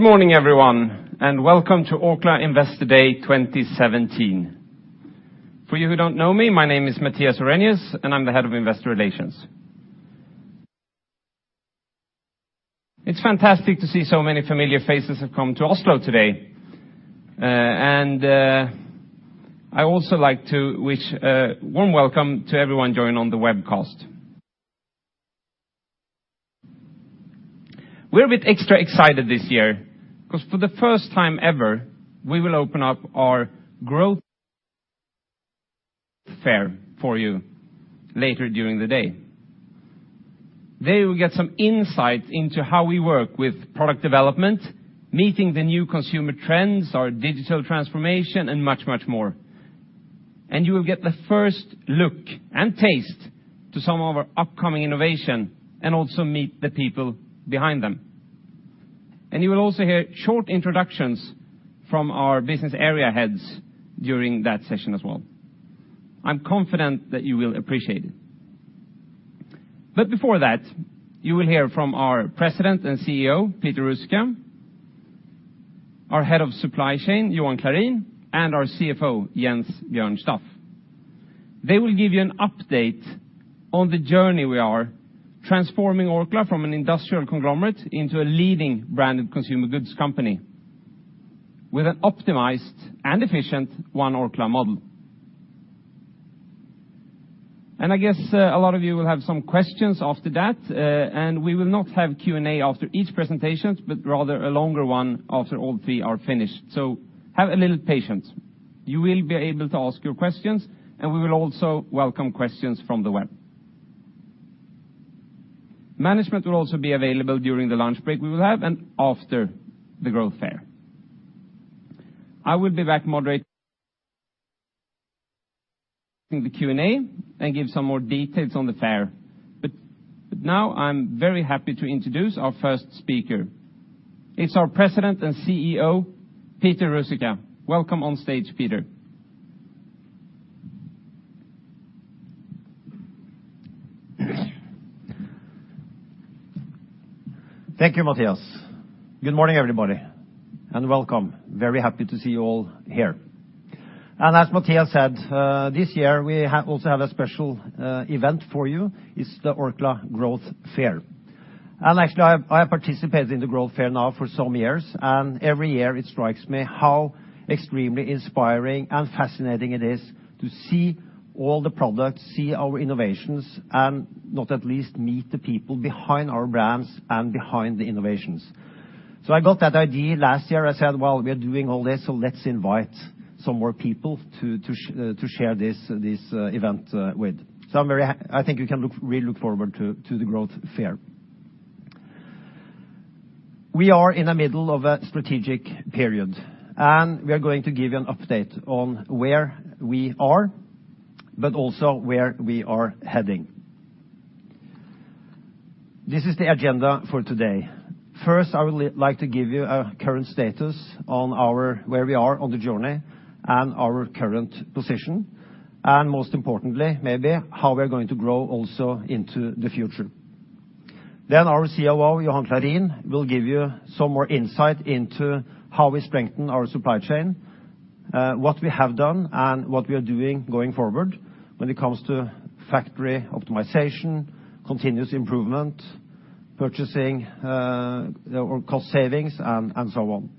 Good morning, everyone, and welcome to Orkla Investor Day 2017. For you who don't know me, my name is Mattias Orrenius, and I'm the head of investor relations. It's fantastic to see so many familiar faces have come to Oslo today. I'd also like to wish a warm welcome to everyone joining on the webcast. We're a bit extra excited this year because for the first time ever, we will open up our growth fair for you later during the day. There, we get some insight into how we work with product development, meeting the new consumer trends, our digital transformation, and much, much more. You will get the first look and taste to some of our upcoming innovation, and also meet the people behind them. You will also hear short introductions from our business area heads during that session as well. I'm confident that you will appreciate it. Before that, you will hear from our President and CEO, Peter Ruzicka, our head of supply chain, Johan Clarin, and our CFO, Jens Bjørn Staff. They will give you an update on the journey we are transforming Orkla from an industrial conglomerate into a leading brand and consumer goods company, with an optimized and efficient One Orkla model. I guess a lot of you will have some questions after that, and we will not have Q&A after each presentation, but rather a longer one after all three are finished. Have a little patience. You will be able to ask your questions, and we will also welcome questions from the web. Management will also be available during the lunch break we will have and after the growth fair. I will be back moderating the Q&A and give some more details on the fair. Now I'm very happy to introduce our first speaker. It's our President and CEO, Peter Ruzicka. Welcome on stage, Peter. Thank you, Mattias. Good morning, everybody, and welcome. Very happy to see you all here. As Mattias said, this year we also have a special event for you, it's the Orkla Growth Fair. Actually, I have participated in the growth fair now for some years, and every year it strikes me how extremely inspiring and fascinating it is to see all the products, see our innovations, and not at least meet the people behind our brands and behind the innovations. I got that idea last year. I said, "Well, we are doing all this, so let's invite some more people to share this event with." I'm very happy. I think we can really look forward to the growth fair. We are in the middle of a strategic period. We are going to give you an update on where we are, but also where we are heading. This is the agenda for today. First, I would like to give you a current status on where we are on the journey and our current position, most importantly, maybe how we are going to grow also into the future. Our COO, Johan Clarin, will give you some more insight into how we strengthen our supply chain, what we have done and what we are doing going forward when it comes to factory optimization, continuous improvement, purchasing, cost savings, and so on.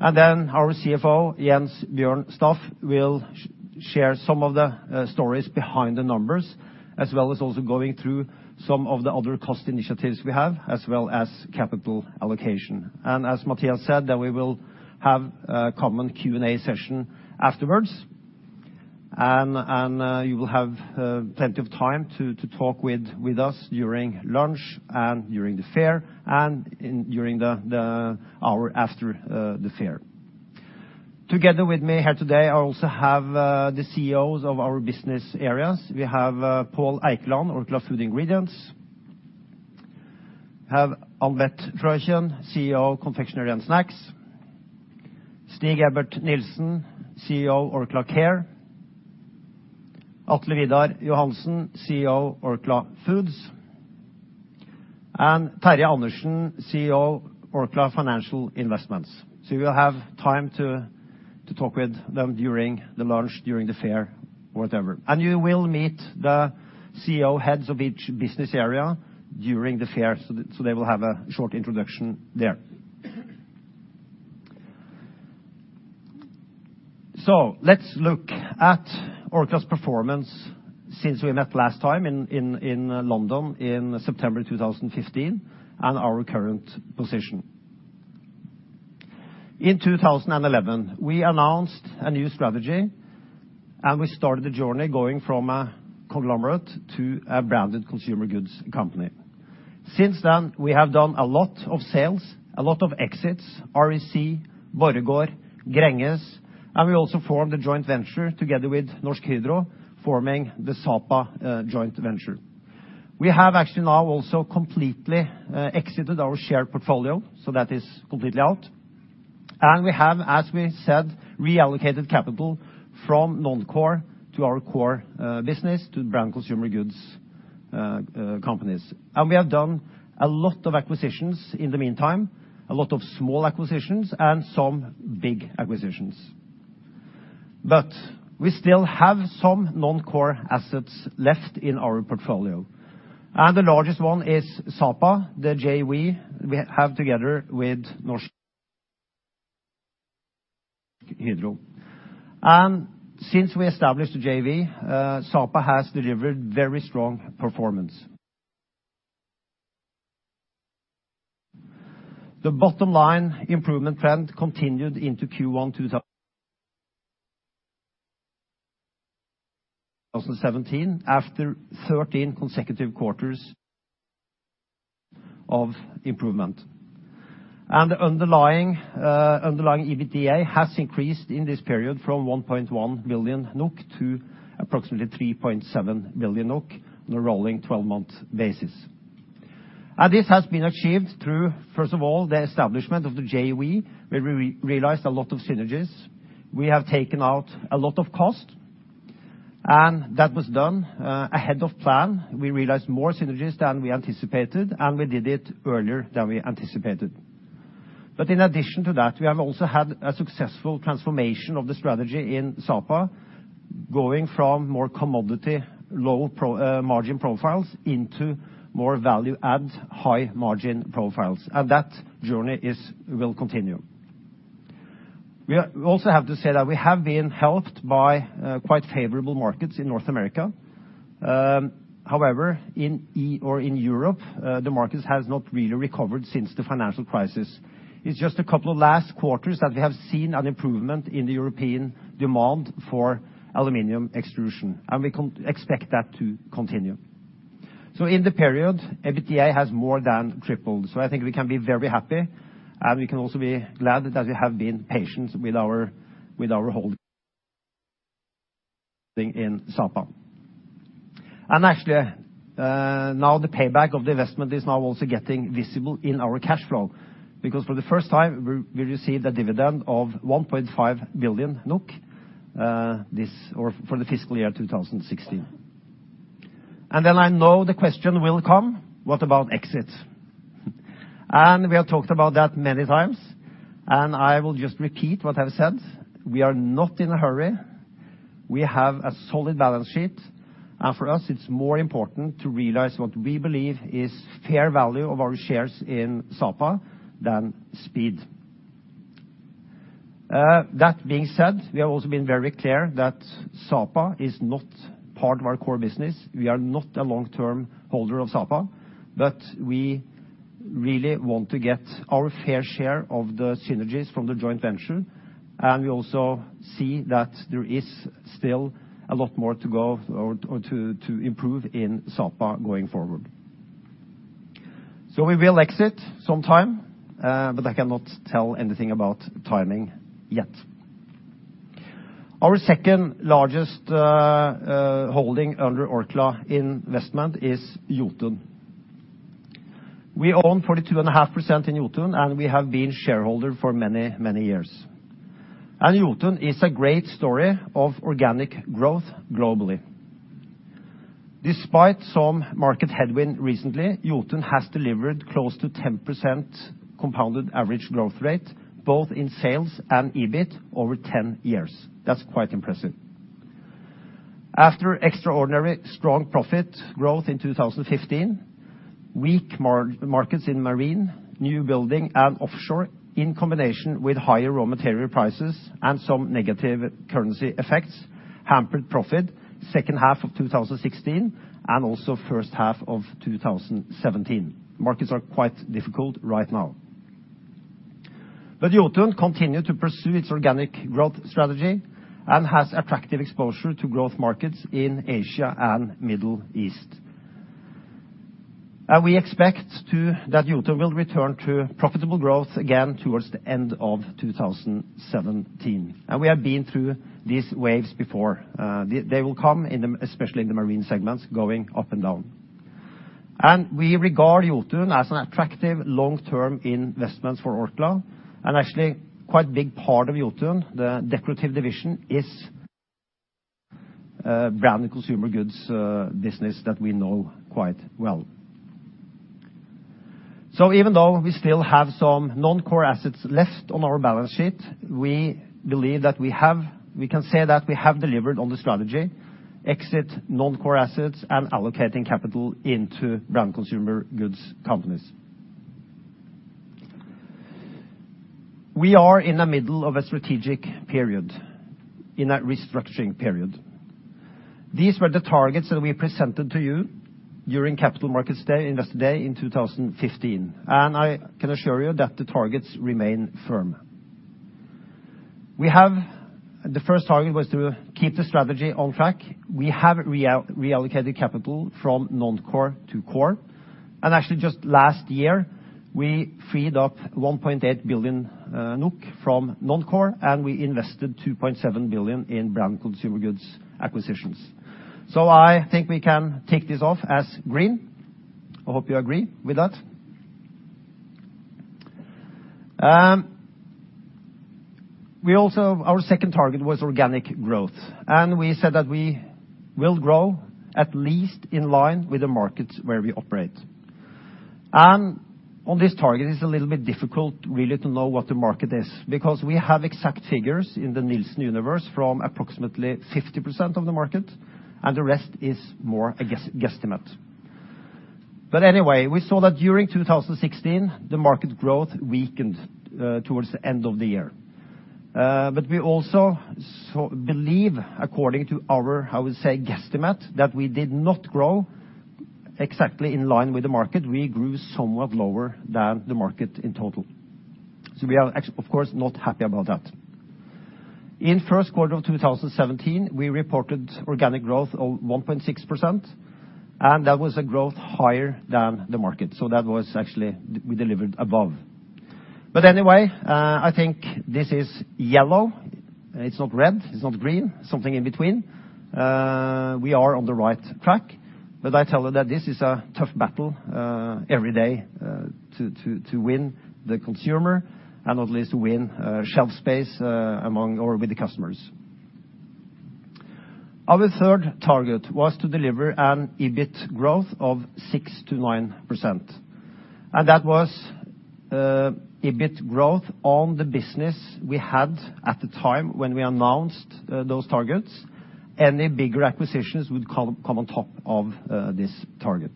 Our CFO, Jens Bjørn Staff, will share some of the stories behind the numbers, as well as also going through some of the other cost initiatives we have, as well as capital allocation. As Mattias said, we will have a common Q&A session afterwards. You will have plenty of time to talk with us during lunch and during the fair and during the hour after the fair. Together with me here today, I also have the CEOs of our business areas. We have Pål Eikeland, Orkla Food Ingredients. We have Annbeth Frøyshov, CEO of Confectionery & Snacks. Stig-Ebert Nielsen, CEO Orkla Care. Atle Vidar Johansen, CEO Orkla Foods. Terje Andersen, CEO Orkla Financial Investments. You will have time to talk with them during the lunch, during the fair, whatever. You will meet the CEO heads of each business area during the fair, so they will have a short introduction there. Let's look at Orkla's performance since we met last time in London in September 2015 and our current position. In 2011, we announced a new strategy. We started the journey going from a conglomerate to a branded consumer goods company. Since then, we have done a lot of sales, a lot of exits, REC Silicon, Borregaard, Gränges. We also formed a joint venture together with Norsk Hydro, forming the Sapa joint venture. We have actually now also completely exited our shared portfolio, that is completely out. We have, as we said, reallocated capital from non-core to our core business, to brand consumer goods companies. We have done a lot of acquisitions in the meantime, a lot of small acquisitions and some big acquisitions. We still have some non-core assets left in our portfolio, the largest one is Sapa, the JV we have together with Norsk Hydro. Since we established the JV, Sapa has delivered very strong performance. The bottom line improvement trend continued into Q1 2017 after 13 consecutive quarters of improvement. The underlying EBITDA has increased in this period from 1.1 billion NOK to approximately 3.7 billion NOK on a rolling 12-month basis. This has been achieved through, first of all, the establishment of the JV, where we realized a lot of synergies. We have taken out a lot of cost, that was done ahead of plan. We realized more synergies than we anticipated, we did it earlier than we anticipated. In addition to that, we have also had a successful transformation of the strategy in Sapa, going from more commodity, low margin profiles into more value-add, high margin profiles. That journey will continue. We also have to say that we have been helped by quite favorable markets in North America. However, the markets has not really recovered since the financial crisis. It's just a couple of last quarters that we have seen an improvement in the European demand for aluminum extrusion, and we expect that to continue. So in the period, EBITDA has more than tripled. I think we can be very happy, and we can also be glad that we have been patient with our holding in Sapa. And actually, now the payback of the investment is now also getting visible in our cash flow, because for the first time, we received a dividend of 1.5 billion NOK for the fiscal year 2016. Then I know the question will come, what about exit? We have talked about that many times, and I will just repeat what I've said. We are not in a hurry. We have a solid balance sheet, and for us it's more important to realize what we believe is fair value of our shares in Sapa than speed. That being said, we have also been very clear that Sapa is not part of our core business. We are not a long-term holder of Sapa, but we really want to get our fair share of the synergies from the joint venture, and we also see that there is still a lot more to improve in Sapa going forward. We will exit sometime, but I cannot tell anything about timing yet. Our second largest holding under Orkla Investments is Jotun. We own 42.5% in Jotun, and we have been shareholder for many, many years. Jotun is a great story of organic growth globally. Despite some market headwind recently, Jotun has delivered close to 10% compounded average growth rate, both in sales and EBIT over 10 years. That's quite impressive. After extraordinary strong profit growth in 2015, weak markets in marine, new building and offshore in combination with higher raw material prices and some negative currency effects hampered profit second half of 2016 and also first half of 2017. Markets are quite difficult right now. But Jotun continue to pursue its organic growth strategy and has attractive exposure to growth markets in Asia and Middle East. And we expect too that Jotun will return to profitable growth again towards the end of 2017. And we have been through these waves before. They will come, especially in the marine segments, going up and down. We regard Jotun as an attractive long-term investment for Orkla, and actually quite a big part of Jotun, the decorative division, is a brand consumer goods business that we know quite well. Even though we still have some non-core assets left on our balance sheet, we believe that we can say that we have delivered on the strategy, exit non-core assets and allocating capital into brand consumer goods companies. We are in the middle of a strategic period, in a restructuring period. These were the targets that we presented to you during Capital Markets Day, Investor Day in 2015. I can assure you that the targets remain firm. The first target was to keep the strategy on track. We have reallocated capital from non-core to core. Actually just last year, we freed up 1.8 billion NOK from non-core. We invested 2.7 billion in brand consumer goods acquisitions. I think we can tick this off as green. I hope you agree with that. Our second target was organic growth. We said that we will grow at least in line with the markets where we operate. On this target, it is a little bit difficult really to know what the market is, because we have exact figures in the Nielsen universe from approximately 50% of the market. The rest is more a guesstimate. Anyway, we saw that during 2016, the market growth weakened towards the end of the year. We also believe, according to our, I would say, guesstimate, that we did not grow exactly in line with the market. We grew somewhat lower than the market in total. We are, of course, not happy about that. In first quarter of 2017, we reported organic growth of 1.6%. That was a growth higher than the market. That was actually, we delivered above. Anyway, I think this is yellow. It is not red, it is not green, something in between. We are on the right track. I tell you that this is a tough battle every day to win the consumer and at least win shelf space with the customers. Our third target was to deliver an EBIT growth of 6%-9%. That was EBIT growth on the business we had at the time when we announced those targets. Any bigger acquisitions would come on top of this target.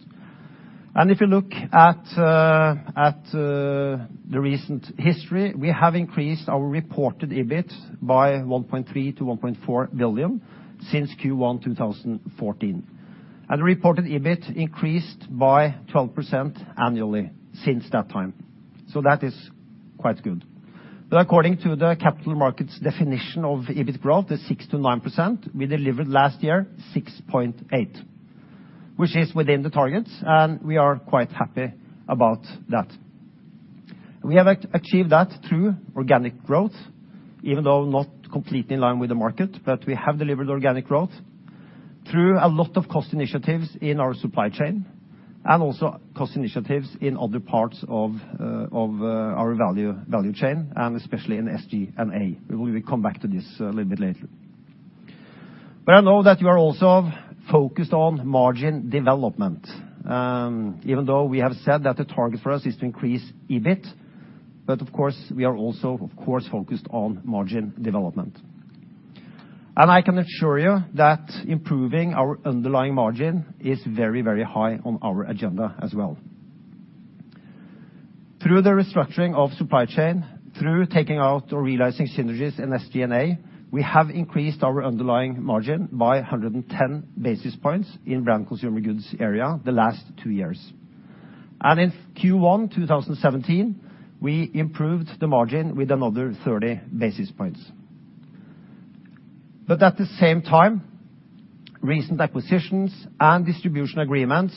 If you look at the recent history, we have increased our reported EBIT by 1.3 billion-1.4 billion since Q1 2014. The reported EBIT increased by 12% annually since that time. That is quite good. According to the capital market's definition of EBIT growth is 6%-9%, we delivered last year 6.8%, which is within the targets. We are quite happy about that. We have achieved that through organic growth, even though not completely in line with the market. We have delivered organic growth through a lot of cost initiatives in our supply chain. Also cost initiatives in other parts of our value chain, especially in SG&A. We will come back to this a little bit later. I know that you are also focused on margin development. Even though we have said that the target for us is to increase EBIT, of course, we are also, of course, focused on margin development. I can assure you that improving our underlying margin is very, very high on our agenda as well. Through the restructuring of supply chain, through taking out or realizing synergies in SG&A, we have increased our underlying margin by 110 basis points in brand consumer goods area the last two years. In Q1 2017, we improved the margin with another 30 basis points. At the same time, recent acquisitions and distribution agreements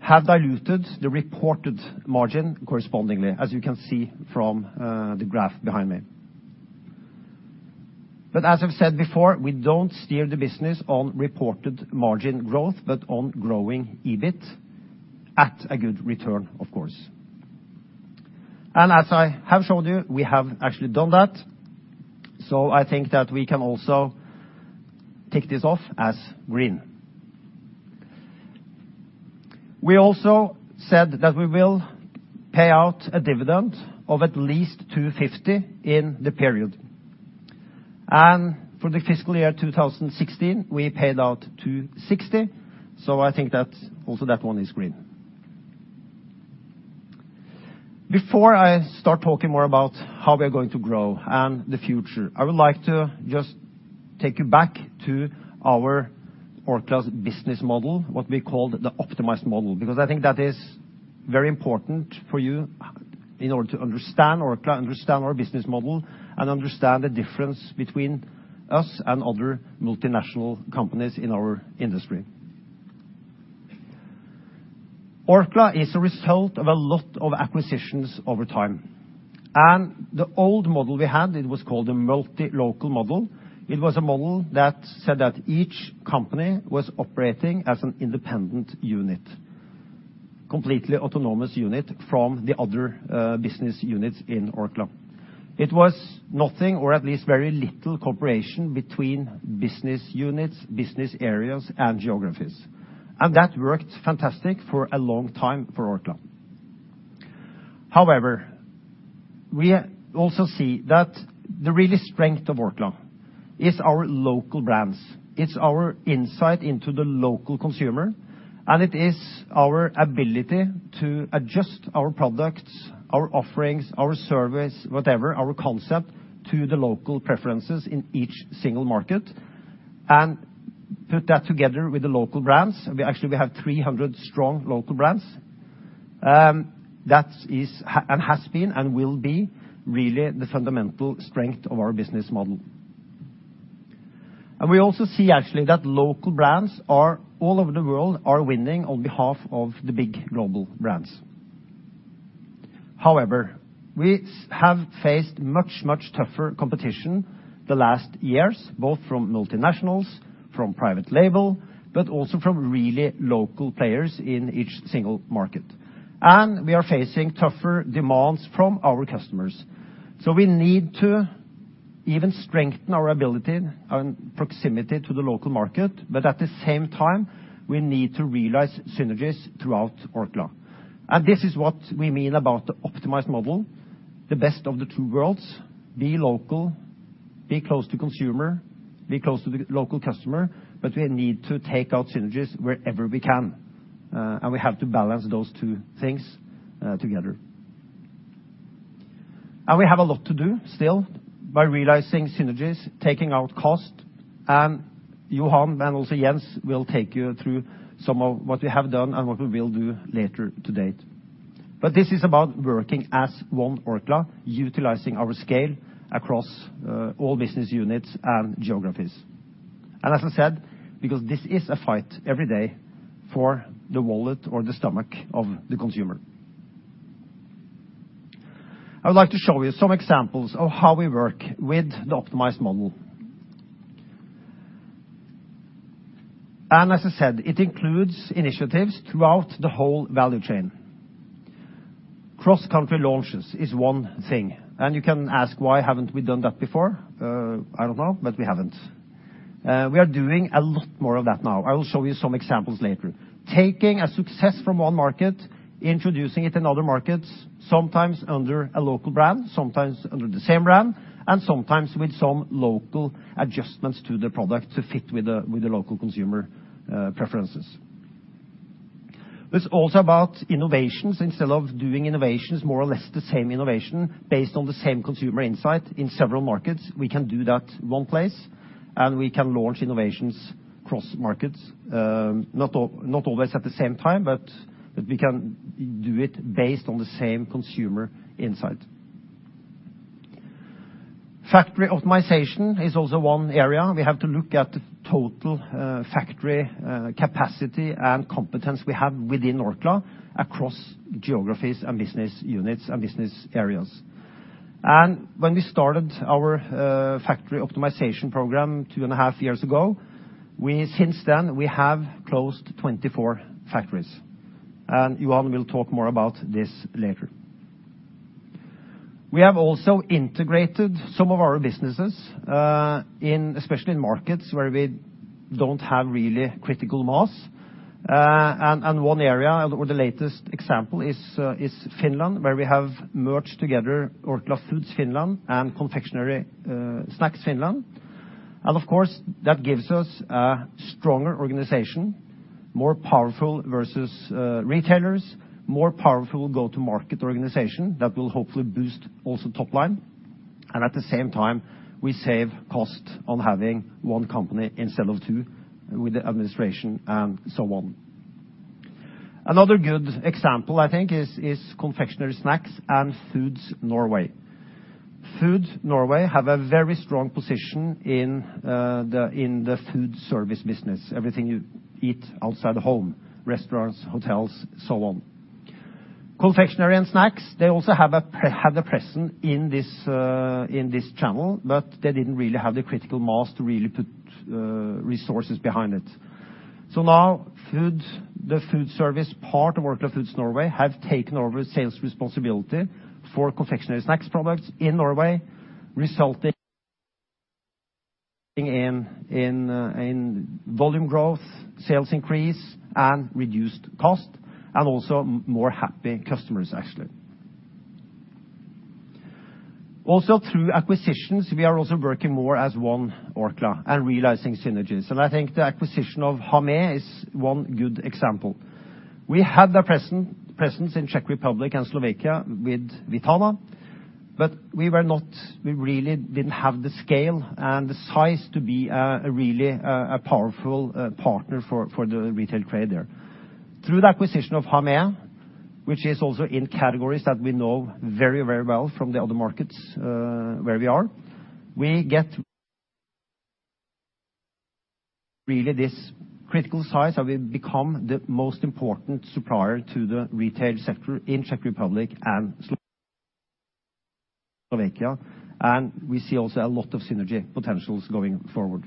have diluted the reported margin correspondingly, as you can see from the graph behind me. As I have said before, we do not steer the business on reported margin growth, but on growing EBIT at a good return, of course. As I have showed you, we have actually done that, I think that we can also tick this off as green. We also said that we will pay out a dividend of at least 2.50 in the period. For the fiscal year 2016, we paid out 2.60, so I think that also that one is green. Before I start talking more about how we are going to grow and the future, I would like to just take you back to our Orkla's business model, what we call the Optimized Model, because I think that is very important for you in order to understand our business model and understand the difference between us and other multinational companies in our industry. Orkla is a result of a lot of acquisitions over time. The old model we had, it was called a Multi-Local Model. It was a model that said that each company was operating as an independent unit, completely autonomous unit from the other business units in Orkla. It was nothing, or at least very little cooperation between business units, business areas, and geographies. That worked fantastic for a long time for Orkla. However, we also see that the really strength of Orkla is our local brands. It's our insight into the local consumer, and it is our ability to adjust our products, our offerings, our service, whatever, our concept to the local preferences in each single market, and put that together with the local brands. Actually, we have 300 strong local brands. That is and has been and will be really the fundamental strength of our business model. We also see actually that local brands all over the world are winning on behalf of the big global brands. However, we have faced much tougher competition the last years, both from multinationals, from private label, but also from really local players in each single market. We are facing tougher demands from our customers. We need to even strengthen our ability and proximity to the local market, but at the same time, we need to realize synergies throughout Orkla. This is what we mean about the Optimized Model, the best of the two worlds, be local, be close to consumer, be close to the local customer, but we need to take out synergies wherever we can. We have to balance those two things together. We have a lot to do still by realizing synergies, taking out cost, and Johan and also Jens will take you through some of what we have done and what we will do later today. This is about working as One Orkla, utilizing our scale across all business units and geographies. As I said, because this is a fight every day for the wallet or the stomach of the consumer. I would like to show you some examples of how we work with the Optimized Model. As I said, it includes initiatives throughout the whole value chain. Cross-country launches is one thing, and you can ask why haven't we done that before? I don't know, but we haven't. We are doing a lot more of that now. I will show you some examples later. Taking a success from one market, introducing it in other markets, sometimes under a local brand, sometimes under the same brand, and sometimes with some local adjustments to the product to fit with the local consumer preferences. It's also about innovations. Instead of doing innovations, more or less the same innovation based on the same consumer insight in several markets, we can do that one place, we can launch innovations cross markets. Not always at the same time, but we can do it based on the same consumer insight. Factory optimization is also one area. We have to look at the total factory capacity and competence we have within Orkla across geographies and business units and business areas. When we started our factory optimization program two and a half years ago, since then we have closed 24 factories, Johan will talk more about this later. We have also integrated some of our businesses, especially in markets where we don't have really critical mass. One area, or the latest example is Finland, where we have merged together Orkla Foods Finland and Orkla Confectionery & Snacks Finland. Of course, that gives us a stronger organization, more powerful versus retailers, more powerful go-to-market organization that will hopefully boost also top line. At the same time, we save cost on having one company instead of two with the administration and so on. Another good example, I think is Orkla Confectionery & Snacks and Orkla Foods Norge. Orkla Foods Norge have a very strong position in the food service business. Everything you eat outside the home, restaurants, hotels, so on. Orkla Confectionery & Snacks, they also have a presence in this channel, but they didn't really have the critical mass to really put resources behind it. Now, the food service part of Orkla Foods Norge have taken over sales responsibility for Orkla Confectionery & Snacks products in Norway, resulting in volume growth, sales increase, reduced cost, and also more happy customers actually. Also through acquisitions, we are also working more as One Orkla and realizing synergies. I think the acquisition of Hamé is one good example. We had a presence in Czech Republic and Slovakia with Vitana, but we really didn't have the scale and the size to be a powerful partner for the retail trade there. Through the acquisition of Hamé, which is also in categories that we know very well from the other markets where we are, we get really this critical size that we become the most important supplier to the retail sector in Czech Republic and Slovakia. We see also a lot of synergy potentials going forward.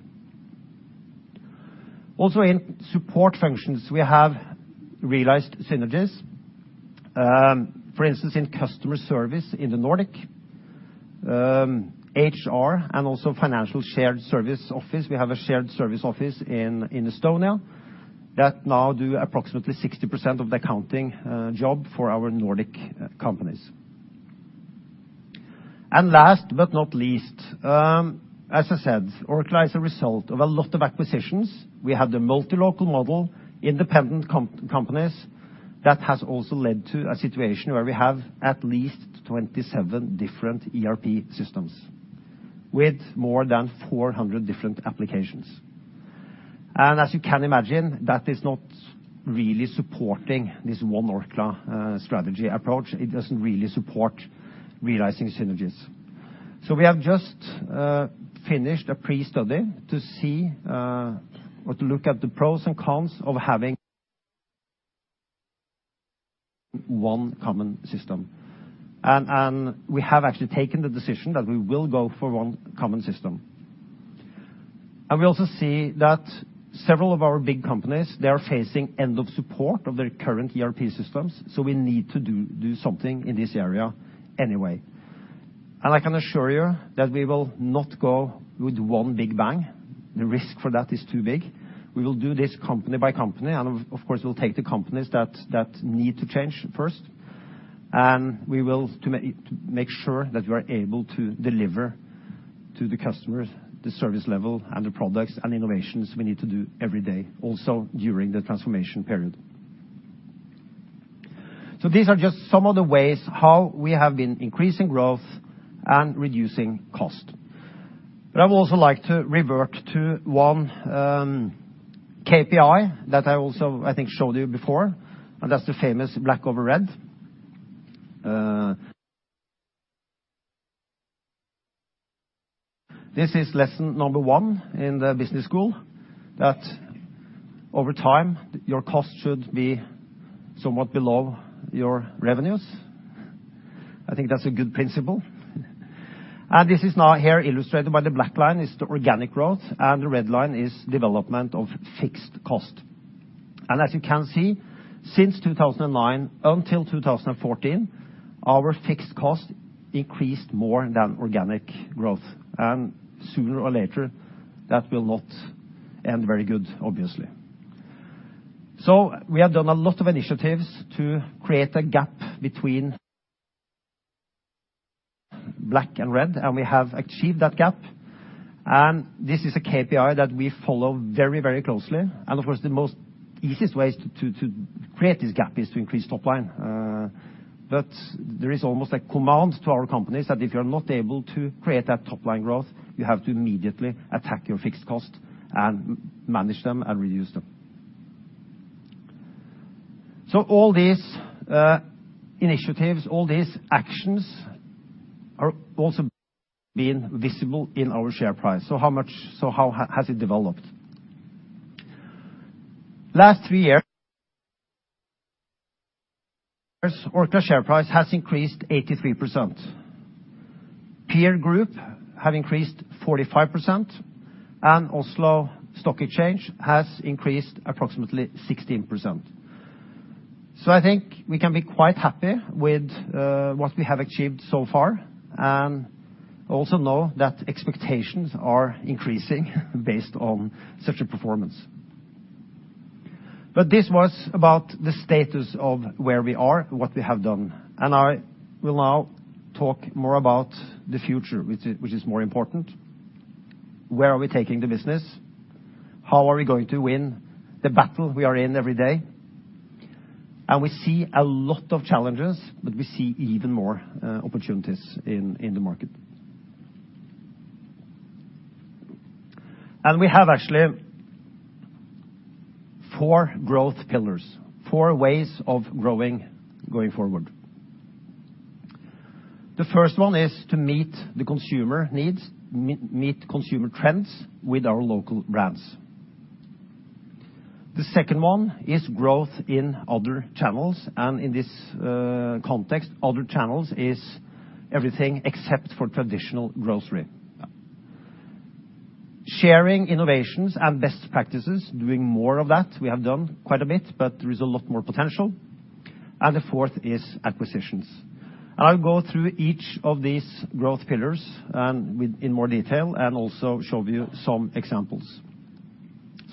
Also in support functions, we have realized synergies. For instance, in customer service in the Nordics, HR, and also financial shared service office. We have a shared service office in Estonia that now do approximately 60% of the accounting job for our Nordic companies. Last but not least, as I said, Orkla is a result of a lot of acquisitions. We have the multi-local model, independent companies. That has also led to a situation where we have at least 27 different ERP systems with more than 400 different applications. As you can imagine, that is not really supporting this One Orkla strategy approach. It doesn't really support realizing synergies. We have just finished a pre-study to see or to look at the pros and cons of having one common system. We have actually taken the decision that we will go for one common system. We also see that several of our big companies, they are facing end of support of their current ERP systems, so we need to do something in this area anyway. I can assure you that we will not go with one big bang. The risk for that is too big. We will do this company by company, and of course, will take the companies that need to change first. We will make sure that we are able to deliver to the customers the service level and the products and innovations we need to do every day, also during the transformation period. These are just some of the ways how we have been increasing growth and reducing cost. I would also like to revert to one KPI that I also, I think, showed you before, and that's the famous black over red. This is lesson number 1 in the business school, that over time, your cost should be somewhat below your revenues. I think that's a good principle. This is now here illustrated by the black line is the organic growth, and the red line is development of fixed cost. As you can see, since 2009 until 2014, our fixed cost increased more than organic growth. Sooner or later, that will not end very good, obviously. We have done a lot of initiatives to create a gap between black and red, and we have achieved that gap. This is a KPI that we follow very closely. Of course, the most easiest way to create this gap is to increase top-line. There is almost a command to our companies that if you are not able to create that top-line growth, you have to immediately attack your fixed cost and manage them and reduce them. All these initiatives, all these actions are also being visible in our share price. How has it developed? Last three years, Orkla share price has increased 83%. Peer group have increased 45%, and Oslo Stock Exchange has increased approximately 16%. I think we can be quite happy with what we have achieved so far and also know that expectations are increasing based on such a performance. This was about the status of where we are and what we have done. I will now talk more about the future, which is more important. Where are we taking the business? How are we going to win the battle we are in every day? We see a lot of challenges, but we see even more opportunities in the market. We have actually four growth pillars, four ways of growing going forward. The first one is to meet the consumer needs, meet consumer trends with our local brands. The second one is growth in other channels, and in this context, other channels is everything except for traditional grocery. Sharing innovations and best practices, doing more of that, we have done quite a bit, but there is a lot more potential. The fourth is acquisitions. I'll go through each of these growth pillars in more detail and also show you some examples.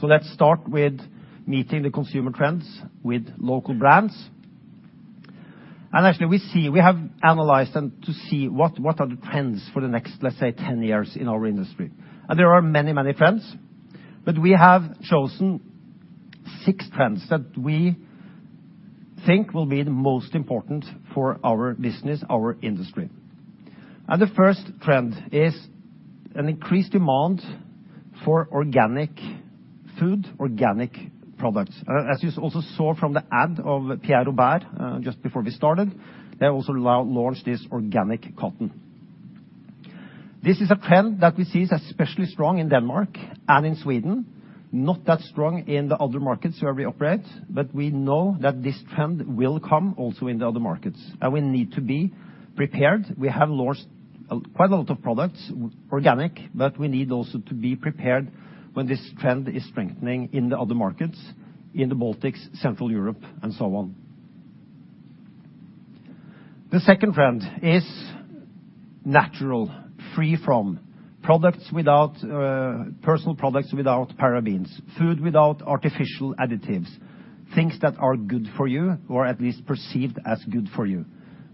Let's start with meeting the consumer trends with local brands. Actually, we have analyzed them to see what are the trends for the next, let's say, 10 years in our industry. There are many trends, but we have chosen six trends that we think will be the most important for our business, our industry. The first trend is an increased demand for organic food, organic products. As you also saw from the ad of Pierre Robert just before we started, they have also now launched this organic cotton. This is a trend that we see is especially strong in Denmark and in Sweden, not that strong in the other markets where we operate, but we know that this trend will come also in the other markets, and we need to be prepared. We have launched quite a lot of products organic, but we need also to be prepared when this trend is strengthening in the other markets, in the Baltics, Central Europe, and so on. The second trend is natural, free from, personal products without parabens, food without artificial additives, things that are good for you or at least perceived as good for you,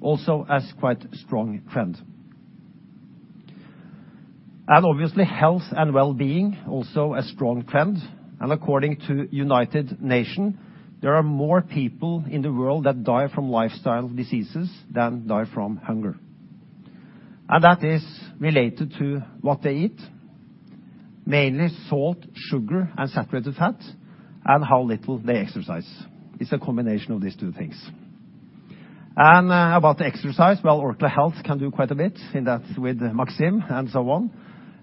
also as quite a strong trend. Obviously, health and wellbeing, also a strong trend. According to United Nations, there are more people in the world that die from lifestyle diseases than die from hunger. That is related to what they eat. Mainly salt, sugar, and saturated fat, and how little they exercise. It's a combination of these two things. About the exercise, well, Orkla Health can do quite a bit in that with Maxim and so on.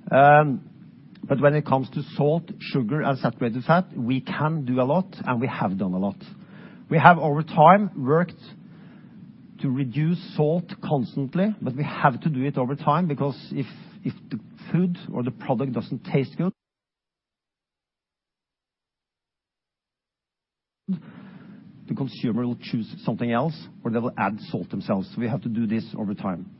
When it comes to salt, sugar, and saturated fat, we can do a lot, and we have done a lot. We have, over time, worked to reduce salt constantly, but we have to do it over time, because if the food or the product doesn't taste good, the consumer will choose something else, or they will add salt themselves. We have to do this over time.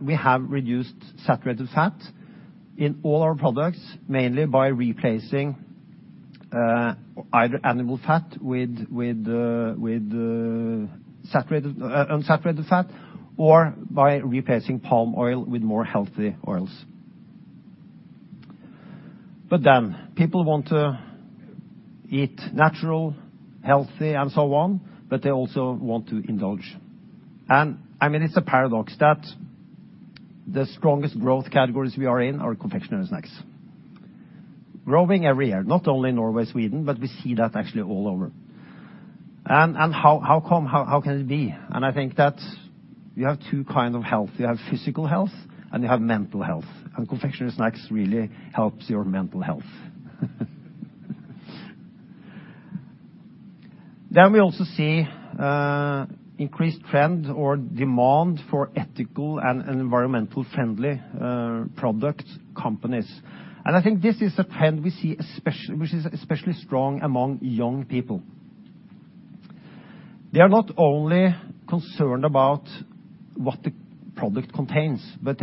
We have reduced sugar constantly over time, and we have reduced saturated fat in all our products, mainly by replacing either animal fat with unsaturated fat or by replacing palm oil with more healthy oils. People want to eat natural, healthy, and so on, but they also want to indulge. It's a paradox that the strongest growth categories we are in are confectionery snacks, growing every year, not only in Norway, Sweden, but we see that actually all over. How come? How can it be? I think that you have two kind of health. You have physical health, and you have mental health. Confectionery snacks really helps your mental health. We also see increased trend or demand for ethical and environmental friendly product companies. I think this is a trend which is especially strong among young people. They are not only concerned about what the product contains, but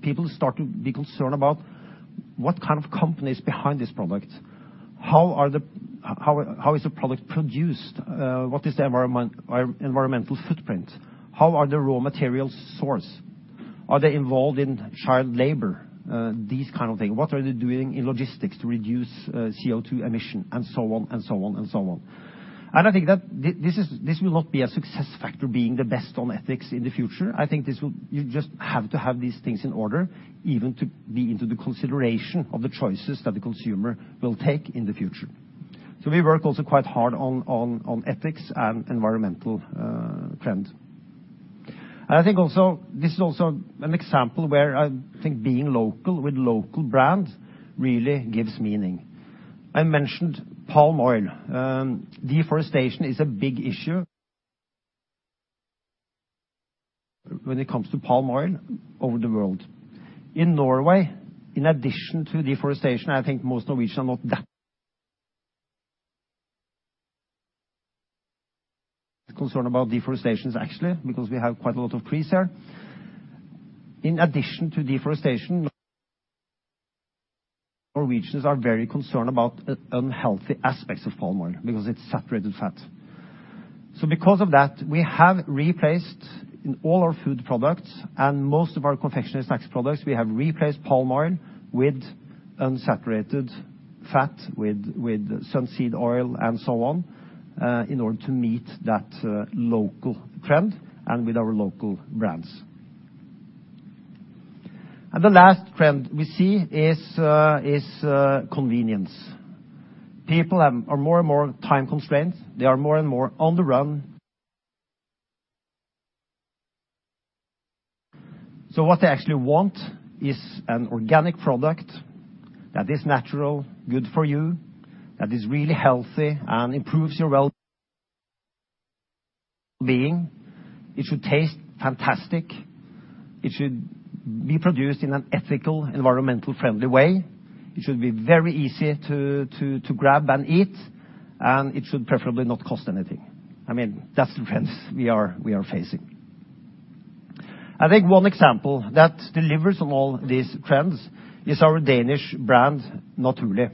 people start to be concerned about what kind of company is behind this product. How is the product produced? What is the environmental footprint? How are the raw material source? Are they involved in child labor? These kind of thing. What are they doing in logistics to reduce CO2 emission, and so on. I think that this will not be a success factor, being the best on ethics in the future. I think you just have to have these things in order even to be into the consideration of the choices that the consumer will take in the future. We work also quite hard on ethics and environmental trend. I think also this is also an example where I think being local with local brand really gives meaning. I mentioned palm oil. Deforestation is a big issue when it comes to palm oil over the world. In Norway, in addition to deforestation, I think most Norwegians are not that concerned about deforestation, actually, because we have quite a lot of trees here. In addition to deforestation, Norwegians are very concerned about unhealthy aspects of palm oil because it's saturated fat. Because of that, we have replaced, in all our food products and most of our confectionery snacks products, we have replaced palm oil with unsaturated fat, with some seed oil and so on, in order to meet that local trend and with our local brands. The last trend we see is convenience. People are more and more time-constrained. They are more and more on the run. What they actually want is an organic product that is natural, good for you, that is really healthy, and improves your well-being. It should taste fantastic. It should be produced in an ethical, environmental-friendly way. It should be very easy to grab and eat, and it should preferably not cost anything. That's the trends we are facing. I think one example that delivers on all these trends is our Danish brand, Naturli'.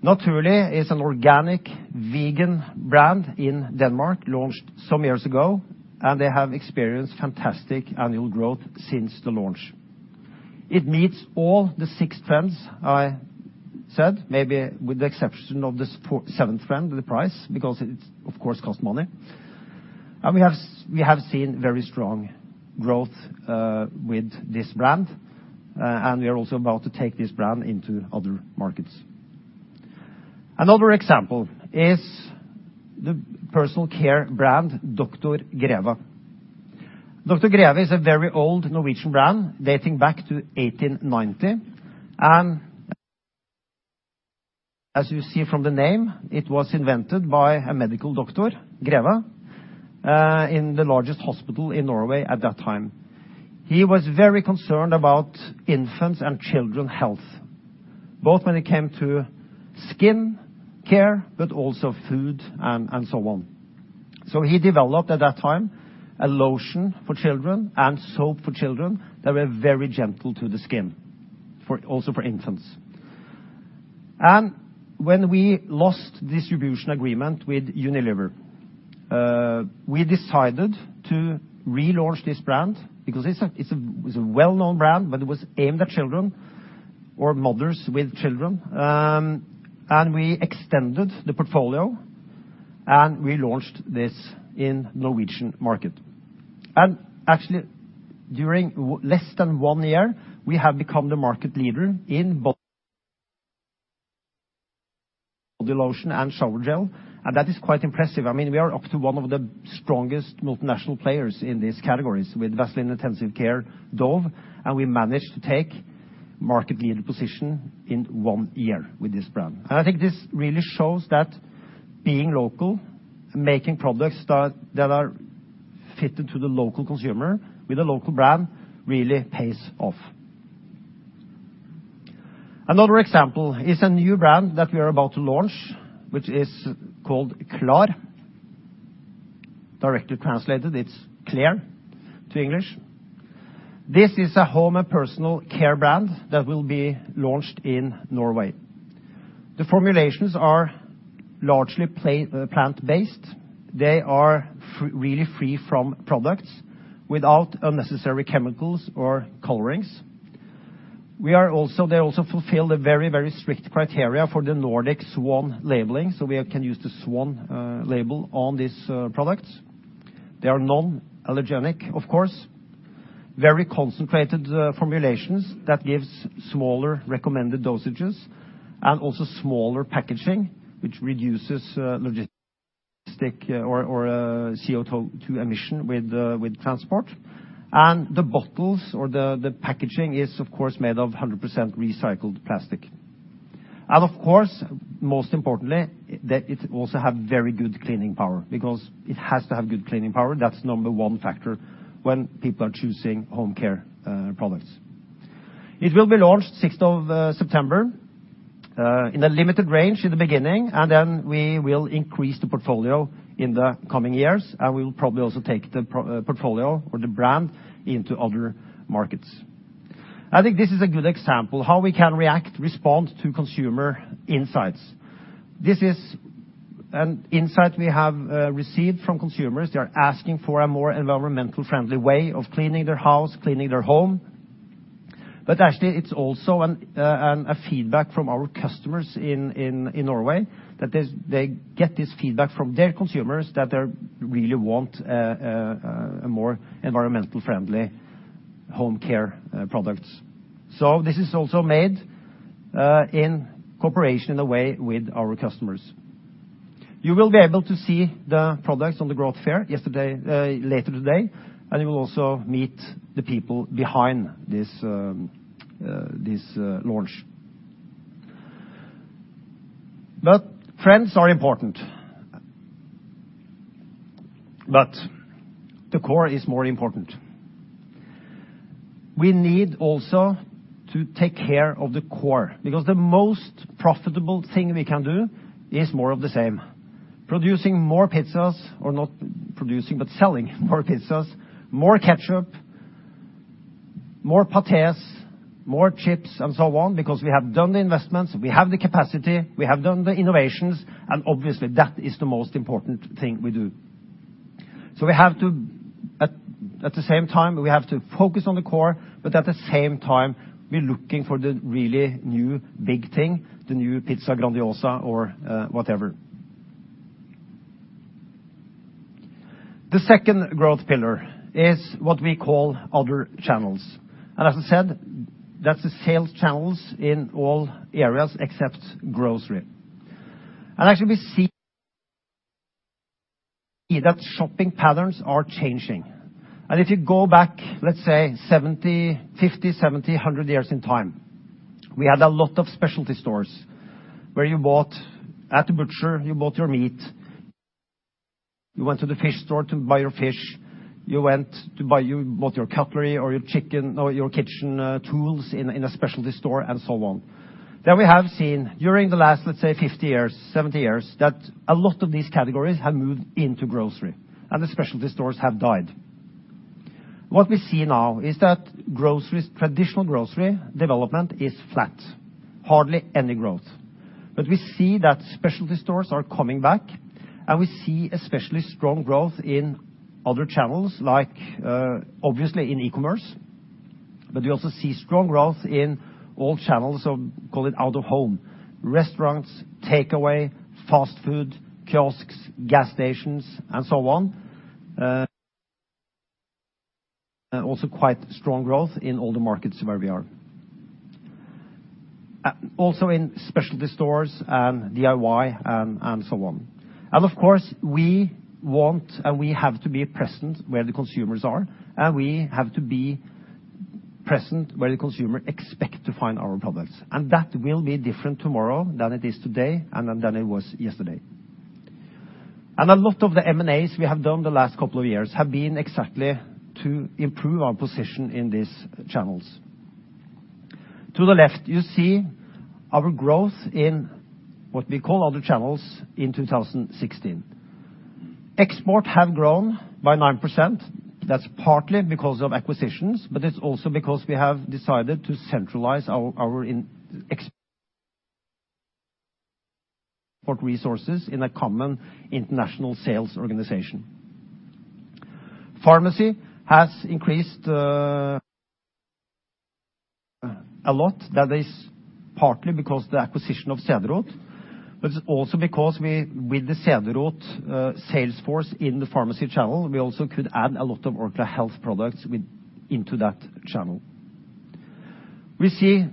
Naturli' is an organic, vegan brand in Denmark, launched some years ago, and they have experienced fantastic annual growth since the launch. It meets all the six trends I said, maybe with the exception of the seventh trend, the price, because it, of course, costs money. We have seen very strong growth with this brand, and we are also about to take this brand into other markets. Another example is the personal care brand, Dr. Greve. Dr. Greve is a very old Norwegian brand dating back to 1890. As you see from the name, it was invented by a medical doctor, Greve, in the largest hospital in Norway at that time. He was very concerned about infants and children health, both when it came to skin care, but also food and so on. He developed, at that time, a lotion for children and soap for children that were very gentle to the skin, also for infants. When we lost distribution agreement with Unilever, we decided to relaunch this brand because it's a well-known brand, but it was aimed at children, or mothers with children. We extended the portfolio, and we launched this in Norwegian market. Actually, during less than one year, we have become the market leader in body lotion and shower gel, and that is quite impressive. We are up to one of the strongest multinational players in these categories with Vaseline Intensive Care, Dove, and we managed to take market leader position in one year with this brand. I think this really shows that being local, making products that are fitted to the local consumer with a local brand, really pays off. Another example is a new brand that we are about to launch, which is called Klar. Directly translated, it's clear to English. This is a home and personal care brand that will be launched in Norway. The formulations are largely plant-based. They are really free from products without unnecessary chemicals or colorings. They also fulfill a very, very strict criteria for the Nordic Swan labeling, so we can use the Swan label on these products. They are non-allergenic, of course. Very concentrated formulations that gives smaller recommended dosages and also smaller packaging, which reduces logistic or CO2 emission with transport. The bottles or the packaging is, of course, made of 100% recycled plastic. Of course, most importantly, that it also have very good cleaning power, because it has to have good cleaning power. That's number one factor when people are choosing home care products. It will be launched 6th of September, in a limited range in the beginning, then we will increase the portfolio in the coming years. We will probably also take the portfolio or the brand into other markets. I think this is a good example how we can react, respond to consumer insights. This is an insight we have received from consumers. They are asking for a more environmental-friendly way of cleaning their house, cleaning their home. Actually, it's also a feedback from our customers in Norway that they get this feedback from their consumers that they really want a more environmental-friendly home care products. This is also made in cooperation, in a way, with our customers. You will be able to see the products on the growth fair later today, and you will also meet the people behind this launch. Trends are important. The core is more important. We need also to take care of the core, because the most profitable thing we can do is more of the same, producing more pizzas, or not producing, but selling more pizzas, more ketchup, more pâtés, more chips, and so on, because we have done the investments, we have the capacity, we have done the innovations, and obviously, that is the most important thing we do. At the same time, we have to focus on the core, but at the same time, we're looking for the really new big thing, the new Pizza Grandiosa or whatever. The second growth pillar is what we call other channels. As I said, that's the sales channels in all areas except grocery. Actually, we see that shopping patterns are changing. If you go back, let's say 50, 70, 100 years in time, we had a lot of specialty stores where you bought at the butcher, you bought your meat, you went to the fish store to buy your fish. You went to buy both your cutlery or your chicken or your kitchen tools in a specialty store and so on. Then we have seen during the last, let's say 50 years, 70 years, that a lot of these categories have moved into grocery and the specialty stores have died. What we see now is that traditional grocery development is flat, hardly any growth. We see that specialty stores are coming back, we see especially strong growth in other channels like, obviously, in e-commerce, but we also see strong growth in all channels, call it out of home, restaurants, takeaway, fast food, kiosks, gas stations, and so on. Quite strong growth in all the markets where we are. Also in specialty stores and DIY and so on. Of course, we want and we have to be present where the consumers are, and we have to be present where the consumer expect to find our products. That will be different tomorrow than it is today and than it was yesterday. A lot of the M&As we have done the last couple of years have been exactly to improve our position in these channels. To the left, you see our growth in what we call other channels in 2016. Export have grown by 9%. That is partly because of acquisitions, but it is also because we have decided to centralize our export resources in a common international sales organization. Pharmacy has increased a lot. That is partly because the acquisition of Cederroth, but it is also because with the Cederroth sales force in the pharmacy channel, we also could add a lot of Orkla Health products into that channel. We see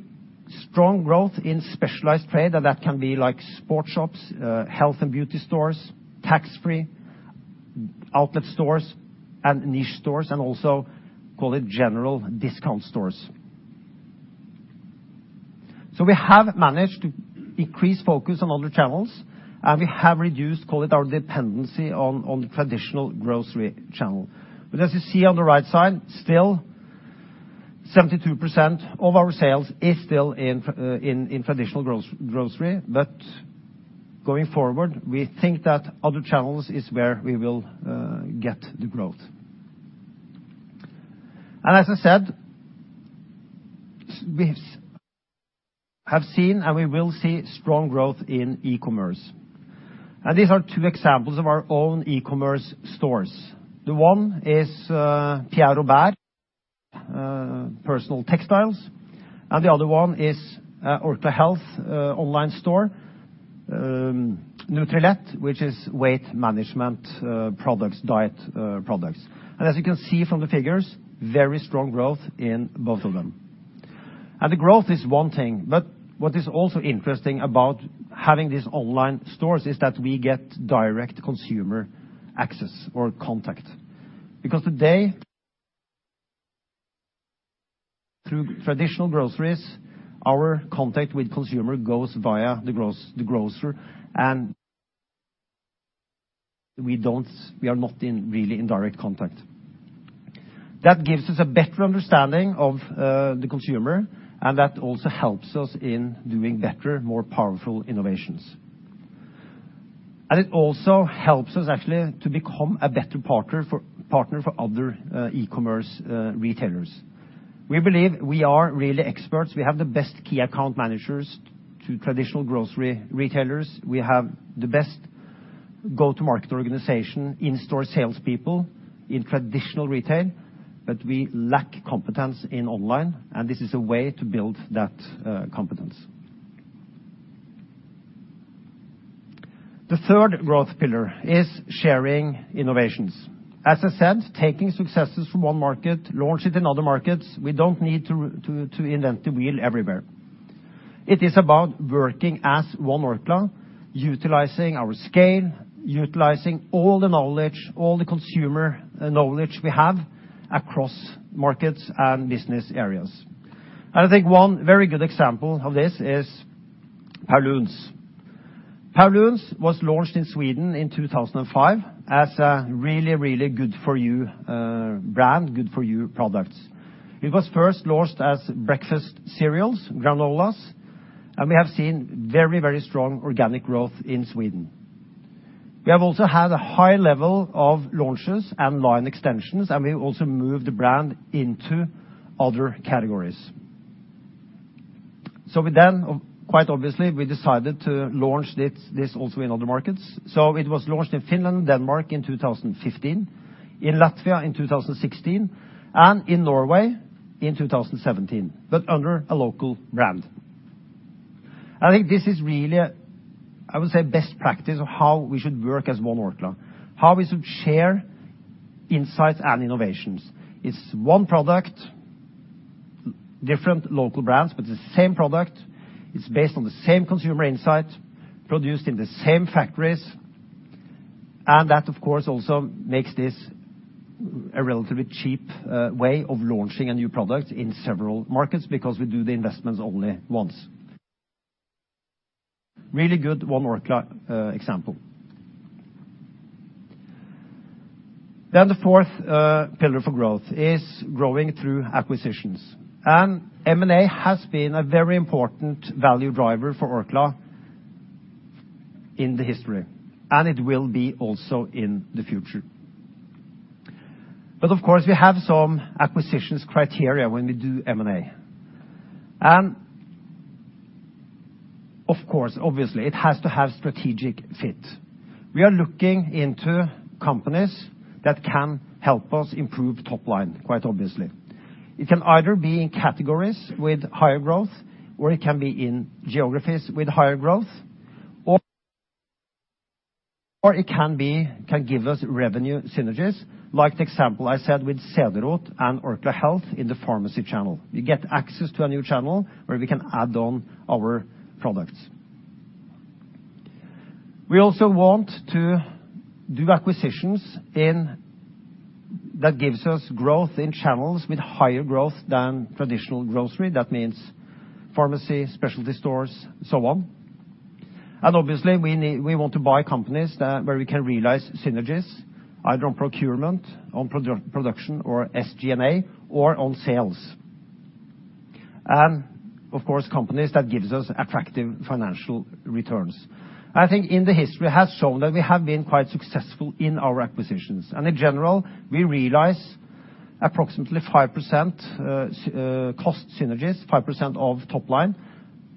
strong growth in specialized trade, and that can be like sports shops, health and beauty stores, tax-free outlet stores and niche stores and also, call it general discount stores. We have managed to increase focus on other channels, and we have reduced, call it our dependency on traditional grocery channel. As you see on the right side, still 72% of our sales is still in traditional grocery. Going forward, we think that other channels is where we will get the growth. As I said, we have seen and we will see strong growth in e-commerce. These are two examples of our own e-commerce stores. The one is Pierre Robert, personal textiles, and the other one is Orkla Health online store, Nutrilett, which is weight management products, diet products. As you can see from the figures, very strong growth in both of them. The growth is one thing, but what is also interesting about having these online stores is that we get direct consumer access or contact. Because today, through traditional groceries, our contact with consumer goes via the grocer, and we are not in really in direct contact. That gives us a better understanding of the consumer, and that also helps us in doing better, more powerful innovations. It also helps us actually to become a better partner for other e-commerce retailers. We believe we are really experts. We have the best key account managers to traditional grocery retailers. We have the best go-to-market organization, in-store salespeople in traditional retail, but we lack competence in online, this is a way to build that competence. The third growth pillar is sharing innovations. As I said, taking successes from one market, launch it in other markets. We don't need to invent the wheel everywhere. It is about working as One Orkla, utilizing our scale, utilizing all the knowledge, all the consumer knowledge we have across markets and business areas. I think one very good example of this is Paulúns. Paulúns was launched in Sweden in 2005 as a really good for you brand, good for you products. It was first launched as breakfast cereals, granolas, we have seen very strong organic growth in Sweden. We have also had a high level of launches and line extensions, we also moved the brand into other categories. We then, quite obviously, we decided to launch this also in other markets. It was launched in Finland, Denmark in 2015, in Latvia in 2016, and in Norway in 2017, but under a local brand. I think this is really, I would say, best practice of how we should work as One Orkla, how we should share insights and innovations. It is one product, different local brands, but the same product. It is based on the same consumer insight, produced in the same factories, and that, of course, also makes this a relatively cheap way of launching a new product in several markets because we do the investments only once. Really good One Orkla example. The fourth pillar for growth is growing through acquisitions. M&A has been a very important value driver for Orkla in the history, and it will be also in the future. Of course, we have some acquisitions criteria when we do M&A. Of course, obviously, it has to have strategic fit. We are looking into companies that can help us improve top line, quite obviously. It can either be in categories with higher growth, or it can be in geographies with higher growth, or it can give us revenue synergies, like the example I said with Cederroth and Orkla Health in the pharmacy channel. You get access to a new channel where we can add on our products. We also want to do acquisitions that gives us growth in channels with higher growth than traditional grocery. That means pharmacy, specialty stores, so on. Obviously, we want to buy companies where we can realize synergies, either on procurement, on production, or SG&A, or on sales. Of course, companies that gives us attractive financial returns. I think in the history has shown that we have been quite successful in our acquisitions. In general, we realize approximately 5% cost synergies, 5% of top line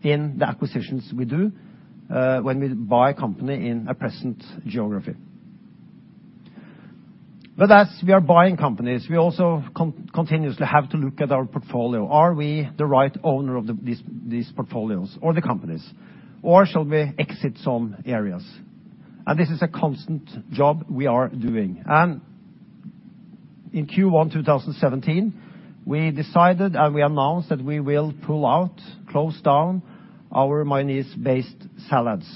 in the acquisitions we do when we buy a company in a present geography. As we are buying companies, we also continuously have to look at our portfolio. Are we the right owner of these portfolios or the companies, or shall we exit some areas? This is a constant job we are doing. In Q1 2017, we decided, and we announced that we will pull out, close down our mayonnaise-based salads.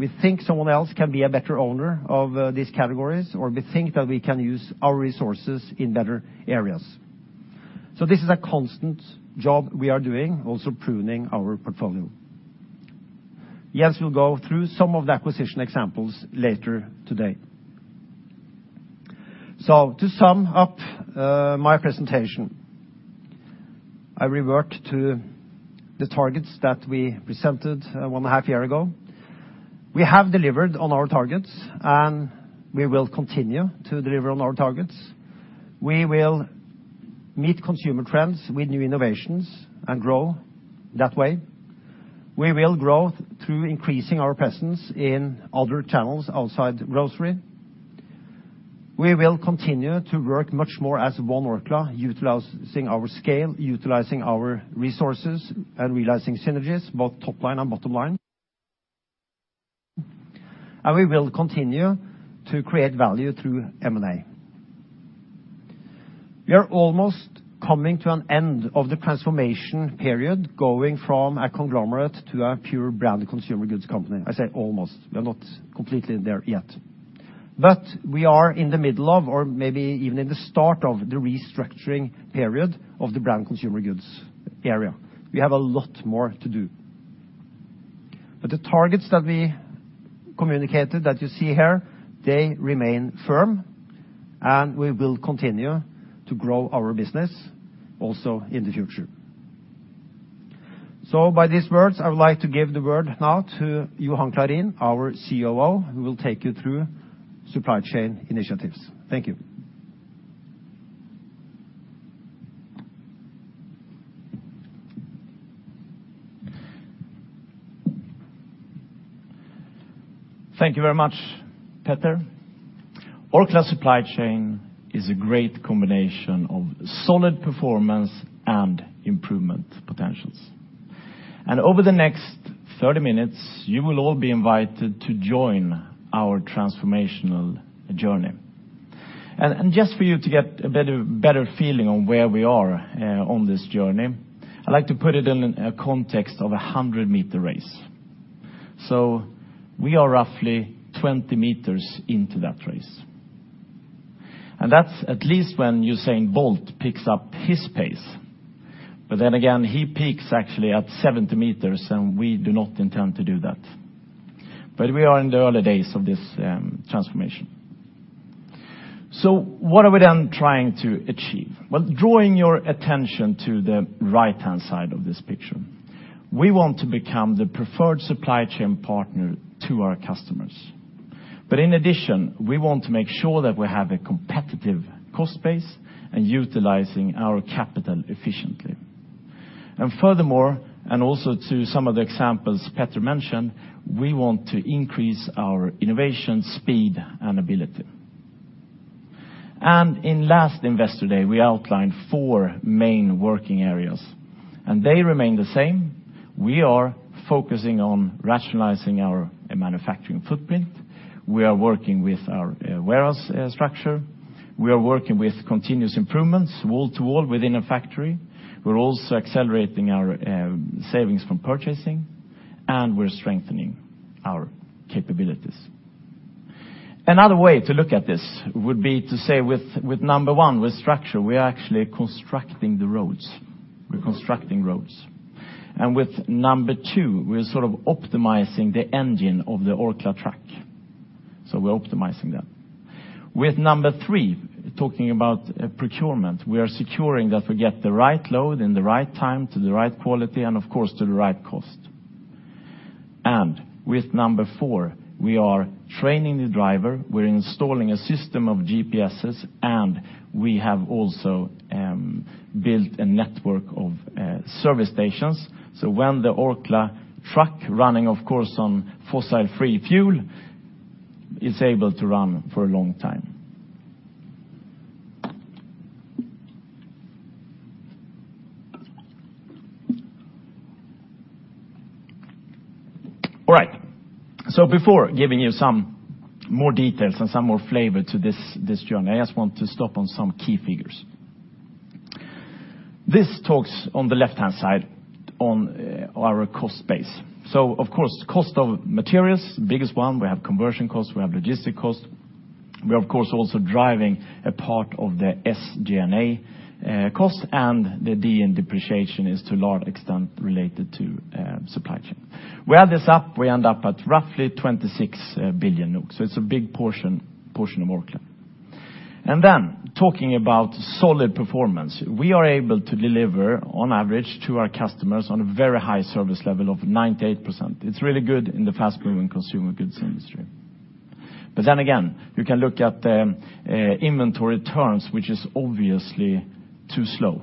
We think someone else can be a better owner of these categories, or we think that we can use our resources in better areas. This is a constant job we are doing, also pruning our portfolio. Jens will go through some of the acquisition examples later today. To sum up my presentation, I revert to the targets that we presented one and a half year ago. We have delivered on our targets, and we will continue to deliver on our targets. We will meet consumer trends with new innovations and grow that way. We will grow through increasing our presence in other channels outside grocery. We will continue to work much more as One Orkla, utilizing our scale, utilizing our resources, and realizing synergies, both top line and bottom line. We will continue to create value through M&A. We are almost coming to an end of the transformation period, going from a conglomerate to a pure branded consumer goods company. I say almost. We are not completely there yet. We are in the middle of, or maybe even in the start of the restructuring period of the Branded Consumer Goods area. We have a lot more to do. The targets that we communicated that you see here, they remain firm, and we will continue to grow our business also in the future. With these words, I would like to give the word now to Johan Clarin, our COO, who will take you through supply chain initiatives. Thank you. Thank you very much, Peter. Orkla's supply chain is a great combination of solid performance and improvement potentials. Over the next 30 minutes, you will all be invited to join our transformational journey. Just for you to get a better feeling on where we are on this journey, I'd like to put it in a context of a 100-meter race. We are roughly 20 meters into that race. That's at least when Usain Bolt picks up his pace. Again, he peaks actually at 70 meters, and we do not intend to do that. We are in the early days of this transformation. What are we then trying to achieve? Well, drawing your attention to the right-hand side of this picture, we want to become the preferred supply chain partner to our customers. In addition, we want to make sure that we have a competitive cost base and utilizing our capital efficiently. Furthermore, and also to some of the examples Peter mentioned, we want to increase our innovation speed and ability. In last Investor Day, we outlined four main working areas. They remain the same. We are focusing on rationalizing our manufacturing footprint. We are working with our warehouse structure. We are working with continuous improvements wall to wall within a factory. We're also accelerating our savings from purchasing, and we're strengthening our capabilities. Another way to look at this would be to say with number 1, with structure, we are actually constructing the roads. We're constructing roads. With number 2, we're sort of optimizing the engine of the Orkla truck. We're optimizing that. With number 3, talking about procurement, we are securing that we get the right load in the right time to the right quality and, of course, to the right cost. With number 4, we are training the driver, we're installing a system of GPSs, and we have also built a network of service stations. When the Orkla truck running, of course, on fossil-free fuel, is able to run for a long time. All right. Before giving you some more details and some more flavor to this journey, I just want to stop on some key figures. This talks on the left-hand side on our cost base. Of course, cost of materials, biggest one, we have conversion costs, we have logistic costs. We are, of course, also driving a part of the SG&A costs, and the DN depreciation is to a large extent related to supply chain. We add this up, we end up at roughly 26 billion NOK, so it's a big portion of Orkla. Then talking about solid performance, we are able to deliver on average to our customers on a very high service level of 98%. It's really good in the fast-moving consumer goods industry. Then again, you can look at the inventory turns, which is obviously too slow.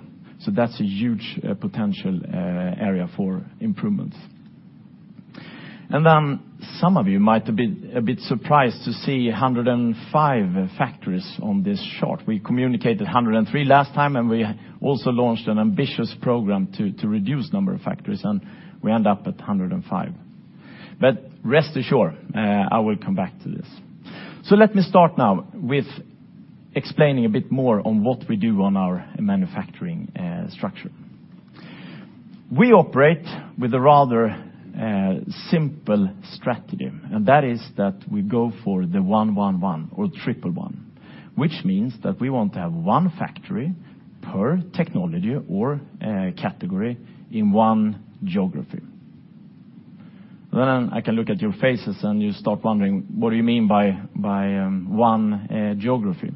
That's a huge potential area for improvements. Then some of you might be a bit surprised to see 105 factories on this chart. We communicated 103 last time, and we also launched an ambitious program to reduce number of factories, and we end up at 105. Rest assured, I will come back to this. Let me start now with explaining a bit more on what we do on our manufacturing structure. We operate with a rather simple strategy, and that is that we go for the one, one or triple one, which means that we want to have one factory per technology or category in one geography. I can look at your faces and you start wondering, what do you mean by one geography?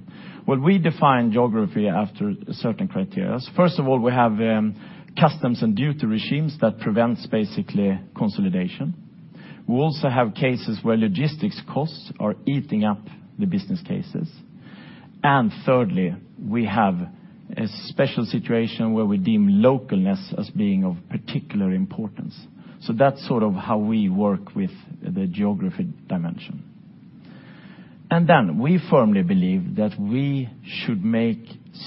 Well, we define geography after certain criterias. First of all, we have customs and duty regimes that prevents basically consolidation. We also have cases where logistics costs are eating up the business cases. Thirdly, we have a special situation where we deem localness as being of particular importance. That's sort of how we work with the geography dimension. Then we firmly believe that we should make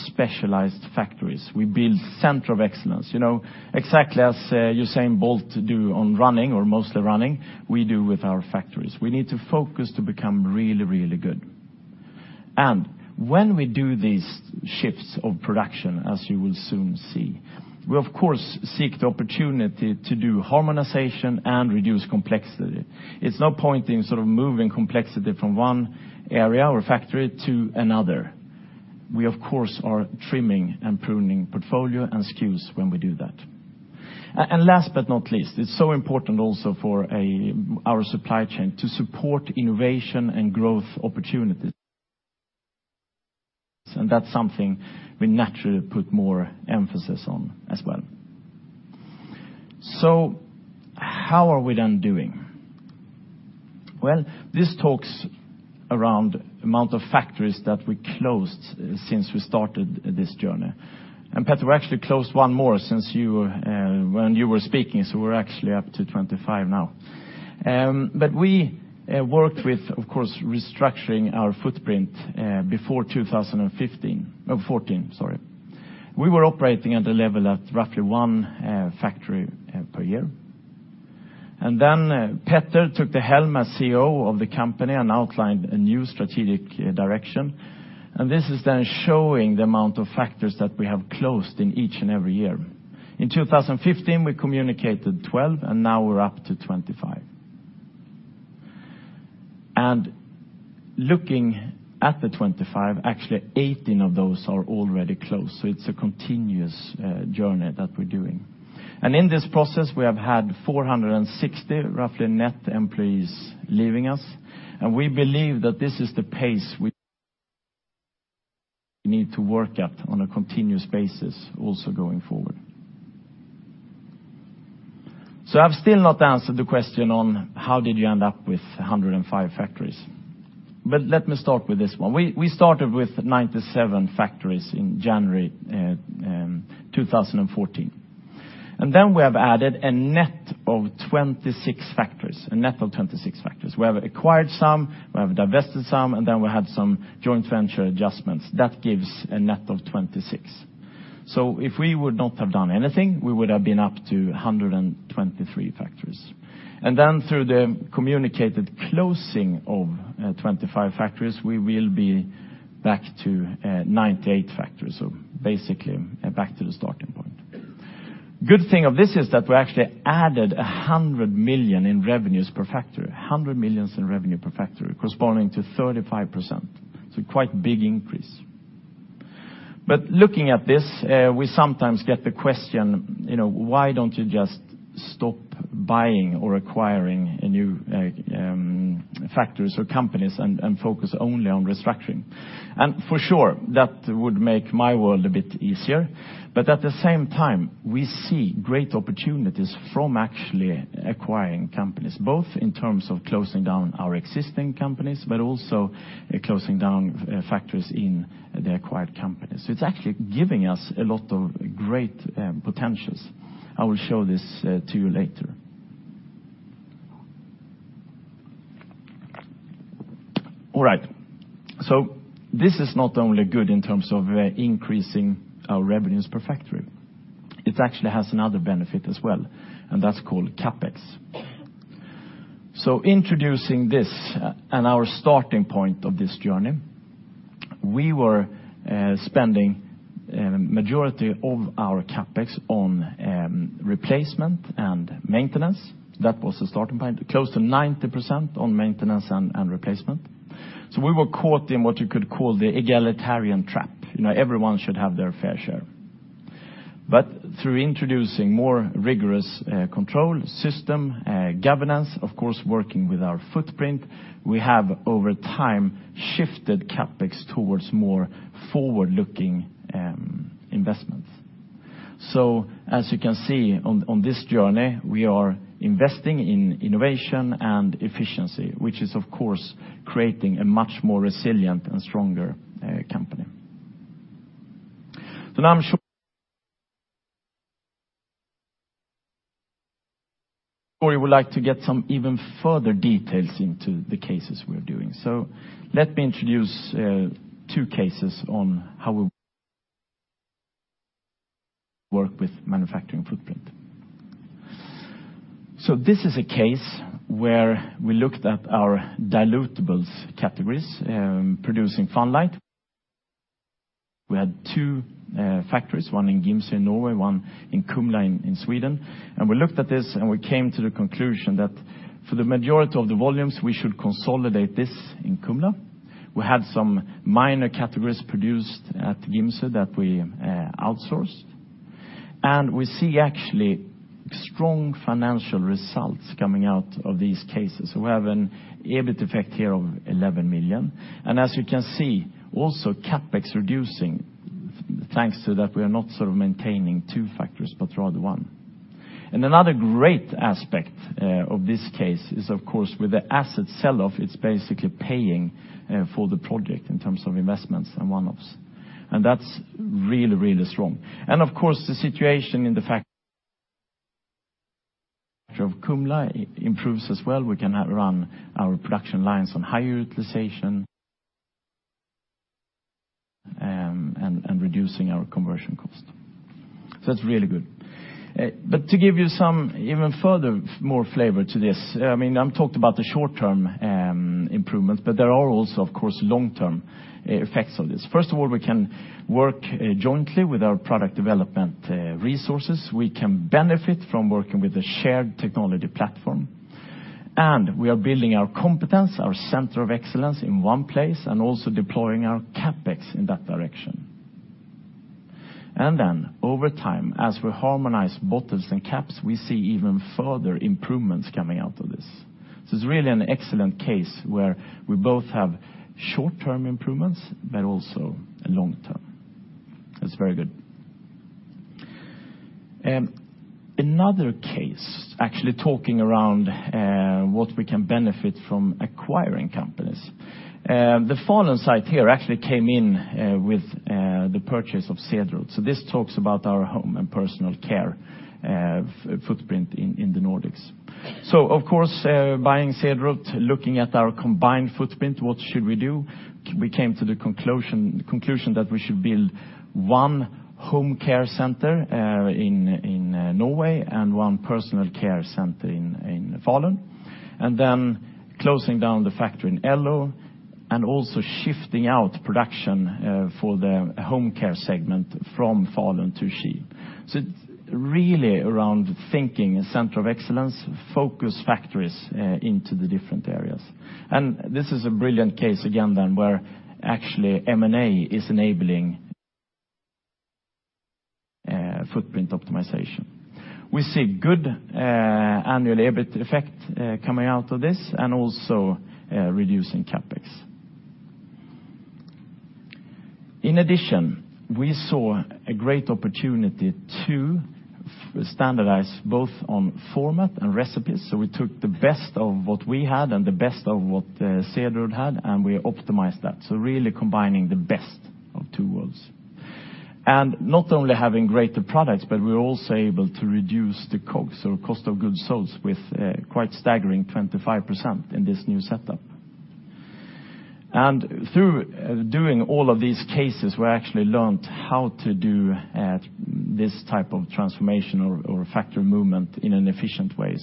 specialized factories. We build center of excellence, exactly as Usain Bolt do on running or mostly running, we do with our factories. We need to focus to become really, really good. When we do these shifts of production, as you will soon see, we of course seek the opportunity to do harmonization and reduce complexity. It's no point in sort of moving complexity from one area or factory to another. We of course are trimming and pruning portfolio and SKUs when we do that. Last but not least, it's so important also for our supply chain to support innovation and growth opportunities. That's something we naturally put more emphasis on as well. How are we then doing? Well, this talks around amount of factories that we closed since we started this journey. Petter, we actually closed one more when you were speaking, so we're actually up to 25 now. We worked with, of course, restructuring our footprint before 2014, sorry. We were operating at a level at roughly one factory per year. Then Petter took the helm as CEO of the company and outlined a new strategic direction, this is then showing the amount of factories that we have closed in each and every year. In 2015, we communicated 12, now we're up to 25. Looking at the 25, actually 18 of those are already closed. It's a continuous journey that we're doing. In this process, we have had 460 roughly net employees leaving us, and we believe that this is the pace we need to work at on a continuous basis also going forward. I've still not answered the question on how did you end up with 105 factories. Let me start with this one. We started with 97 factories in January, 2014. We have added a net of 26 factories. We have acquired some, we have divested some, and then we have some joint venture adjustments. That gives a net of 26. If we would not have done anything, we would have been up to 123 factories. Through the communicated closing of 25 factories, we will be back to 98 factories. Basically back to the starting point. Good thing of this is that we actually added 100 million in revenues per factory, corresponding to 35%. It's a quite big increase. Looking at this, we sometimes get the question, why don't you just stop buying or acquiring new factories or companies and focus only on restructuring? For sure, that would make my world a bit easier. At the same time, we see great opportunities from actually acquiring companies, both in terms of closing down our existing companies, but also closing down factories in the acquired companies. It's actually giving us a lot of great potentials. I will show this to you later. All right. This is not only good in terms of increasing our revenues per factory. It actually has another benefit as well, and that's called CapEx. Introducing this and our starting point of this journey, we were spending majority of our CapEx on replacement and maintenance. That was the starting point, close to 90% on maintenance and replacement. We were caught in what you could call the egalitarian trap. Everyone should have their fair share. Through introducing more rigorous control system, governance, of course, working with our footprint, we have over time shifted CapEx towards more forward-looking investments. As you can see on this journey, we are investing in innovation and efficiency, which is of course creating a much more resilient and stronger company. Now I'm sure you would like to get some even further details into the cases we're doing. Let me introduce two cases on how we work with manufacturing footprint. This is a case where we looked at our dilutable categories, producing Fun Light. We had two factories, one in Gimse, Norway, one in Kumla in Sweden. We looked at this, and we came to the conclusion that for the majority of the volumes, we should consolidate this in Kumla. We had some minor categories produced at Gimse that we outsourced. We see actually strong financial results coming out of these cases. We have an EBIT effect here of 11 million. As you can see, also CapEx reducing thanks to that we are not sort of maintaining two factories, but rather one. Another great aspect of this case is, of course, with the asset sell-off, it's basically paying for the project in terms of investments and one-offs. That's really strong. Of course, the situation in the factory of Kumla improves as well. We can run our production lines on higher utilization and reducing our conversion cost. It's really good. To give you some even further more flavor to this, I've talked about the short-term improvements, but there are also, of course, long-term effects of this. First of all, we can work jointly with our product development resources. We can benefit from working with a shared technology platform. We are building our competence, our center of excellence in one place, also deploying our CapEx in that direction. Over time, as we harmonize bottles and caps, we see even further improvements coming out of this. It's really an excellent case where we both have short-term improvements, but also long-term. That's very good. Another case, actually talking around what we can benefit from acquiring companies. The Falun site here actually came in with the purchase of Cederroth. This talks about our Home & Personal Care footprint in the Nordics. Of course, buying Cederroth, looking at our combined footprint, what should we do? We came to the conclusion that we should build one home care center in Norway and one personal care center in Falun, then closing down the factory in Elo, also shifting out production for the home care segment from Falun to Ski. It's really around thinking center of excellence, focus factories into the different areas. This is a brilliant case again then where actually M&A is enabling footprint optimization. We see good annual EBIT effect coming out of this also reducing CapEx. In addition, we saw a great opportunity to standardize both on format and recipes. We took the best of what we had and the best of what Cederroth had, and we optimized that. Really combining the best of two worlds. Not only having greater products, but we're also able to reduce the COGS or cost of goods sold with quite staggering 25% in this new setup. Through doing all of these cases, we actually learned how to do this type of transformation or factory movement in an efficient way.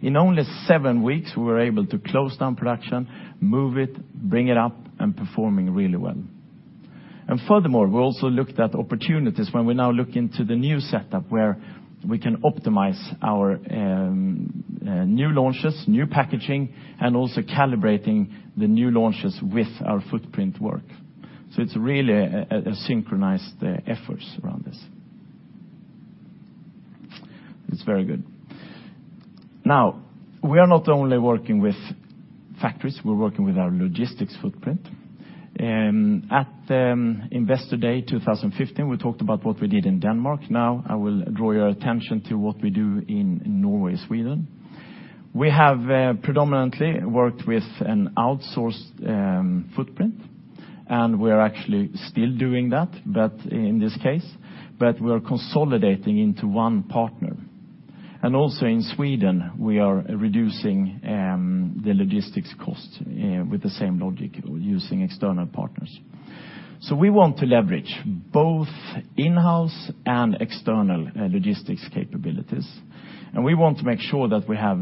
In only seven weeks, we were able to close down production, move it, bring it up, and performing really well. Furthermore, we also looked at opportunities when we now look into the new setup where we can optimize our new launches, new packaging, also calibrating the new launches with our footprint work. It's really a synchronized efforts around this. It's very good. Now, we are not only working with factories, we're working with our logistics footprint. At Investor Day 2015, we talked about what we did in Denmark. Now I will draw your attention to what we do in Norway, Sweden. We have predominantly worked with an outsourced footprint, we're actually still doing that, but in this case, we're consolidating into one partner. Also in Sweden, we are reducing the logistics cost with the same logic using external partners. We want to leverage both in-house and external logistics capabilities, and we want to make sure that we have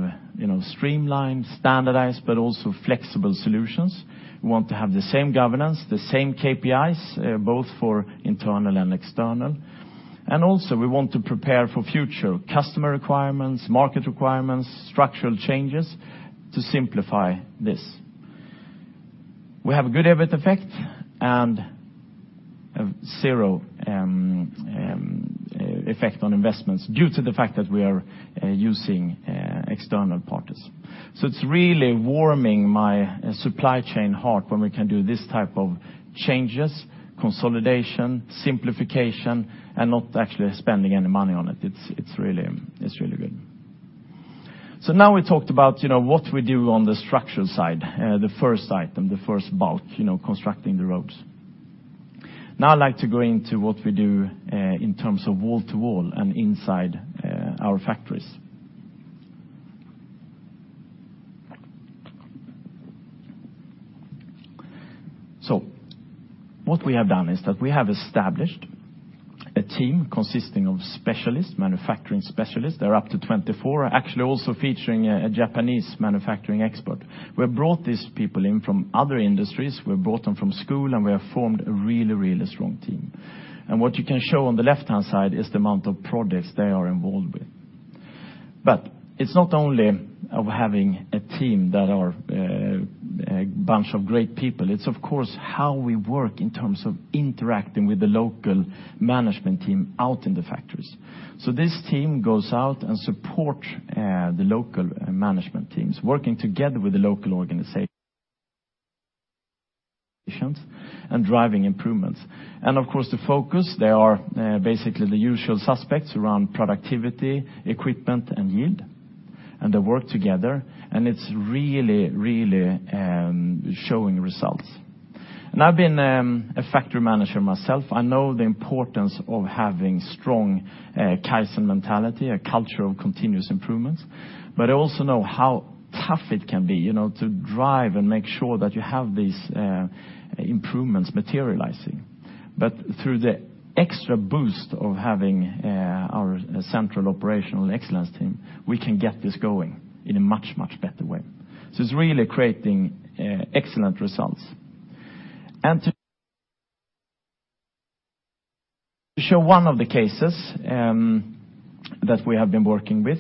streamlined, standardized, but also flexible solutions. We want to have the same governance, the same KPIs, both for internal and external. Also we want to prepare for future customer requirements, market requirements, structural changes to simplify this. We have a good EBIT effect and zero effect on investments due to the fact that we are using external partners. It's really warming my supply chain heart when we can do this type of changes, consolidation, simplification, and not actually spending any money on it. It's really good. Now we talked about what we do on the structure side, the first item, the first bulk, constructing the roads. Now I'd like to go into what we do in terms of wall-to-wall and inside our factories. What we have done is that we have established a team consisting of specialists, manufacturing specialists. They're up to 24, actually also featuring a Japanese manufacturing expert. We have brought these people in from other industries. We have brought them from school, and we have formed a really strong team. What you can show on the left-hand side is the amount of projects they are involved with. It's not only of having a team that are a bunch of great people, it's of course, how we work in terms of interacting with the local management team out in the factories. This team goes out and support the local management teams, working together with the local organizations, and driving improvements. Of course, the focus, they are basically the usual suspects around productivity, equipment, and yield, and they work together, and it's really showing results. I've been a factory manager myself. I know the importance of having strong Kaizen mentality, a culture of continuous improvements, but I also know how tough it can be to drive and make sure that you have these improvements materializing. Through the extra boost of having our central operational excellence team, we can get this going in a much better way. It's really creating excellent results. To show one of the cases that we have been working with.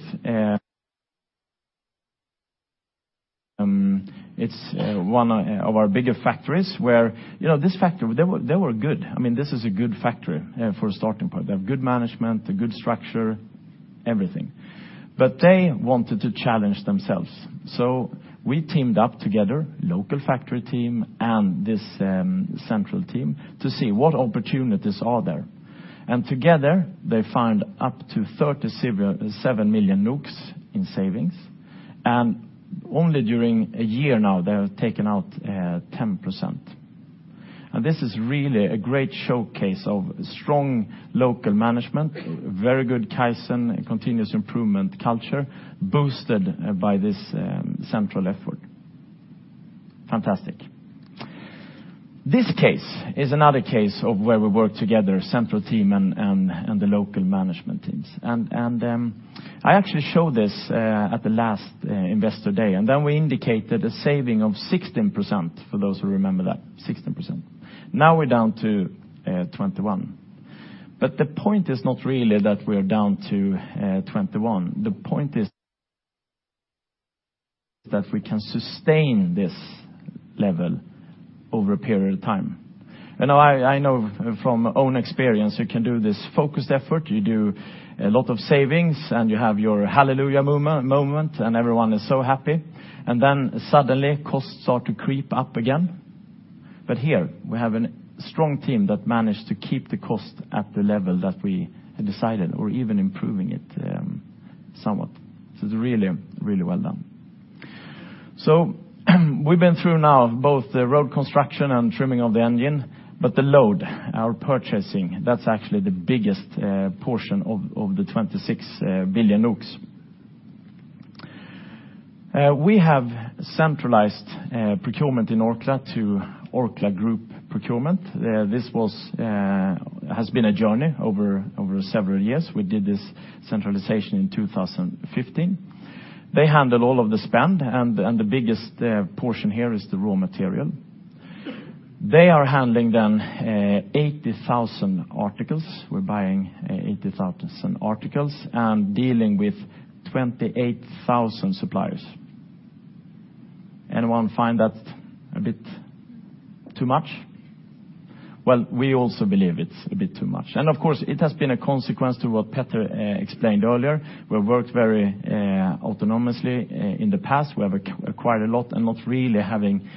It's one of our bigger factories where this factory, they were good. This is a good factory for a starting point. They have good management, a good structure, everything. They wanted to challenge themselves. We teamed up together, local factory team and this central team, to see what opportunities are there. Together, they found up to 37 million in savings. Only during a year now, they have taken out 10%. This is really a great showcase of strong local management, very good Kaizen continuous improvement culture boosted by this central effort. Fantastic. This case is another case of where we work together, central team and the local management teams. I actually showed this at the last Investor Day, and then we indicated a saving of 16%, for those who remember that, 16%. Now we're down to 21. The point is not really that we're down to 21. The point is that we can sustain this level over a period of time. I know from own experience, you can do this focused effort, you do a lot of savings, and you have your hallelujah moment, and everyone is so happy. Suddenly, costs start to creep up again. Here we have a strong team that managed to keep the cost at the level that we had decided, or even improving it somewhat. It's really well done. We've been through now both the road construction and trimming of the engine, but the load, our purchasing, that's actually the biggest portion of the 26 billion. We have centralized procurement in Orkla to Orkla Group Procurement. This has been a journey over several years. We did this centralization in 2015. They handle all of the spend, and the biggest portion here is the raw material. They are handling then 80,000 articles. We're buying 80,000 articles and dealing with 28,000 suppliers. Anyone find that a bit too much? We also believe it's a bit too much. Of course, it has been a consequence to what Petter explained earlier. We've worked very autonomously in the past. We have acquired a lot and not really having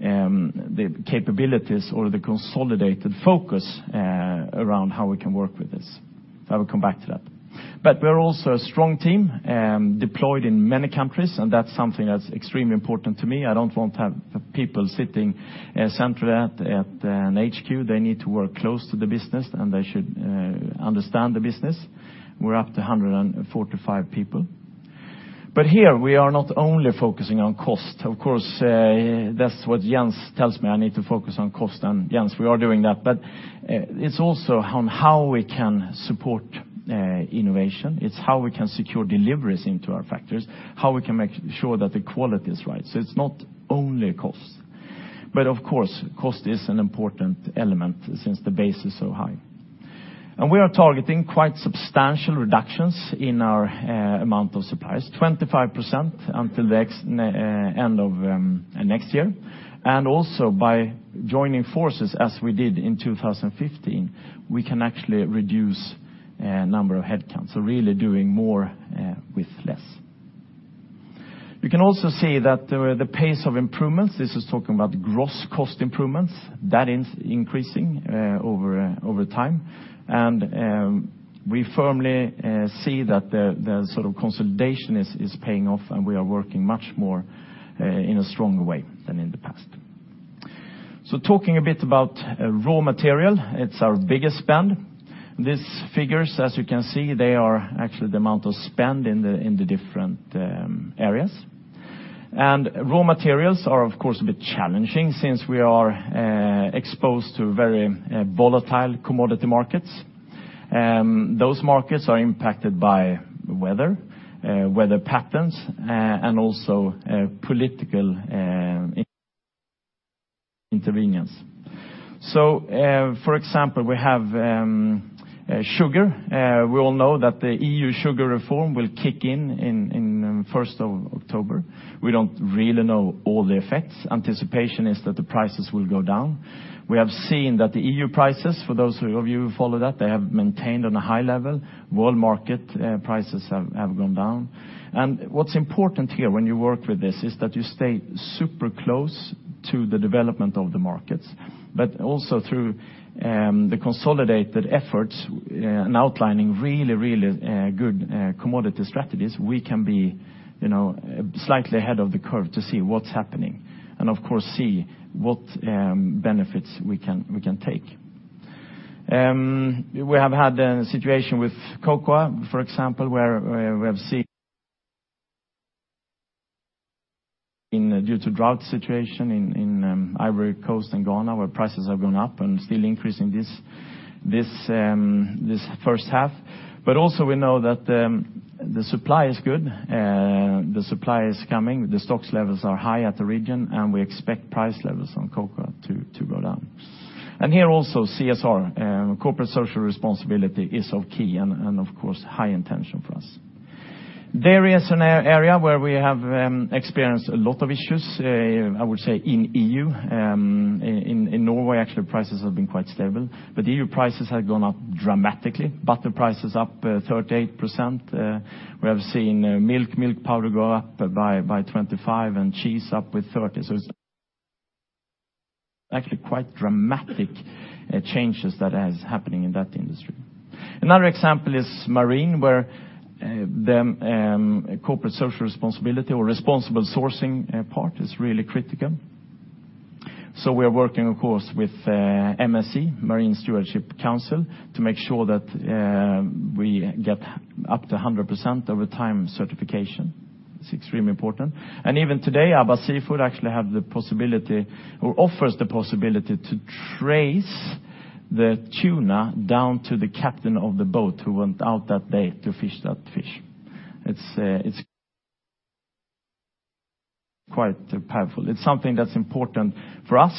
the capabilities or the consolidated focus around how we can work with this. I will come back to that. We're also a strong team deployed in many countries, and that's something that's extremely important to me. I don't want to have people sitting centrally at an HQ. They need to work close to the business, and they should understand the business. We're up to 145 people. Here we are not only focusing on cost. Of course, that's what Jens tells me I need to focus on cost, and Jens, we are doing that. It's also on how we can support innovation. It's how we can secure deliveries into our factories, how we can make sure that the quality is right. It's not only cost. Of course, cost is an important element since the base is so high. We are targeting quite substantial reductions in our amount of suppliers, 25% until the end of next year. Also by joining forces, as we did in 2015, we can actually reduce number of headcounts. Really doing more with less. You can also see that the pace of improvements, this is talking about gross cost improvements, that is increasing over time. We firmly see that the consolidation is paying off, and we are working much more in a strong way than in the past. Talking a bit about raw material, it's our biggest spend. These figures, as you can see, they are actually the amount of spend in the different areas. Raw materials are of course, a bit challenging since we are exposed to very volatile commodity markets. Those markets are impacted by weather patterns, and also political intervenes. For example, we have sugar. We all know that the EU sugar reform will kick in on the 1st of October. We don't really know all the effects. Anticipation is that the prices will go down. We have seen that the EU prices, for those of you who follow that, they have maintained on a high level. World market prices have gone down. What's important here when you work with this is that you stay super close to the development of the markets, but also through the consolidated efforts and outlining really good commodity strategies, we can be slightly ahead of the curve to see what's happening. Of course, see what benefits we can take. We have had a situation with cocoa, for example, where we have seen due to drought situation in Ivory Coast and Ghana, where prices have gone up and still increasing this first half. Also we know that the supply is good. The supply is coming, the stocks levels are high at the region, and we expect price levels on cocoa to go down. Here also CSR, corporate social responsibility, is of key and of course, high intention for us. Dairy is an area where we have experienced a lot of issues, I would say in EU. In Norway, actually prices have been quite stable, but EU prices have gone up dramatically. Butter price is up 38%. We have seen milk powder go up by 25% and cheese up with 30%. It's actually quite dramatic changes that is happening in that industry. Another example is marine, where the corporate social responsibility or responsible sourcing part is really critical. We are working, of course, with MSC, Marine Stewardship Council, to make sure that we get up to 100% over time certification. It's extremely important. Even today, Abba Seafood actually have the possibility or offers the possibility to trace the tuna down to the captain of the boat who went out that day to fish that fish. It's quite powerful. It's something that's important for us.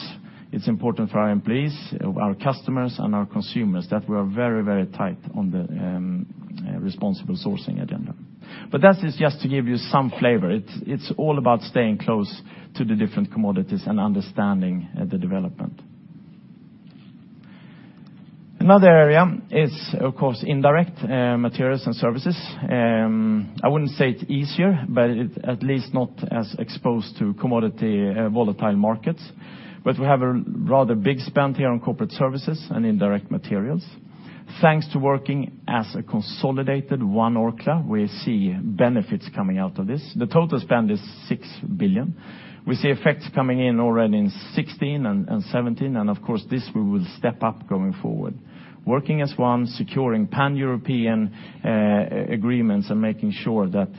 It's important for our employees, our customers, and our consumers that we are very tight on the responsible sourcing agenda. That is just to give you some flavor. It's all about staying close to the different commodities and understanding the development. Another area is, of course, indirect materials and services. I wouldn't say it's easier, but at least not as exposed to commodity volatile markets. We have a rather big spend here on corporate services and indirect materials. Thanks to working as a consolidated One Orkla, we see benefits coming out of this. The total spend is 6 billion. We see effects coming in already in 2016 and 2017, of course, this we will step up going forward. Working as one, securing pan-European agreements and making sure that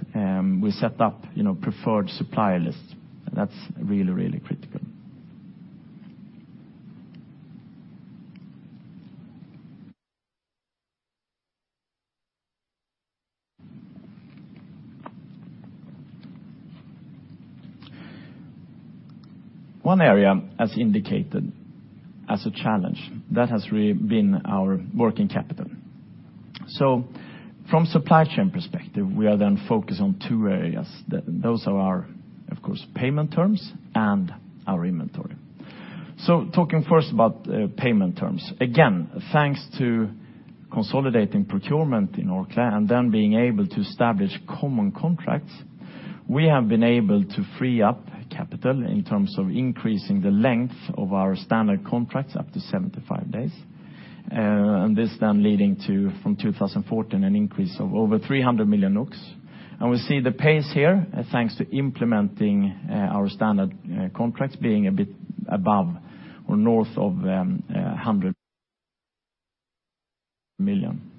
we set up preferred supplier lists. That's really critical. One area as indicated as a challenge, that has really been our working capital. From supply chain perspective, we are then focused on two areas. Those are our, of course, payment terms and our inventory. Talking first about payment terms. Again, thanks to consolidating procurement in Orkla and then being able to establish common contracts, we have been able to free up capital in terms of increasing the length of our standard contracts up to 75 days. This then leading to, from 2014, an increase of over 300 million NOK. We see the pace here, thanks to implementing our standard contracts being a bit above or north of 100 million.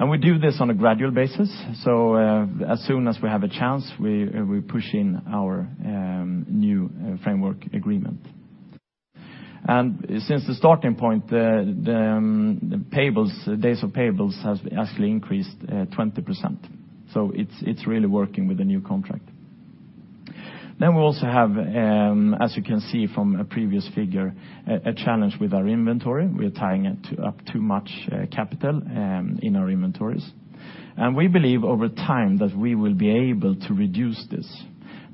We do this on a gradual basis. As soon as we have a chance, we push in our new framework agreement. Since the starting point, the days of payables has actually increased 20%. It's really working with the new contract. We also have, as you can see from a previous figure, a challenge with our inventory. We're tying up too much capital in our inventories. We believe over time that we will be able to reduce this,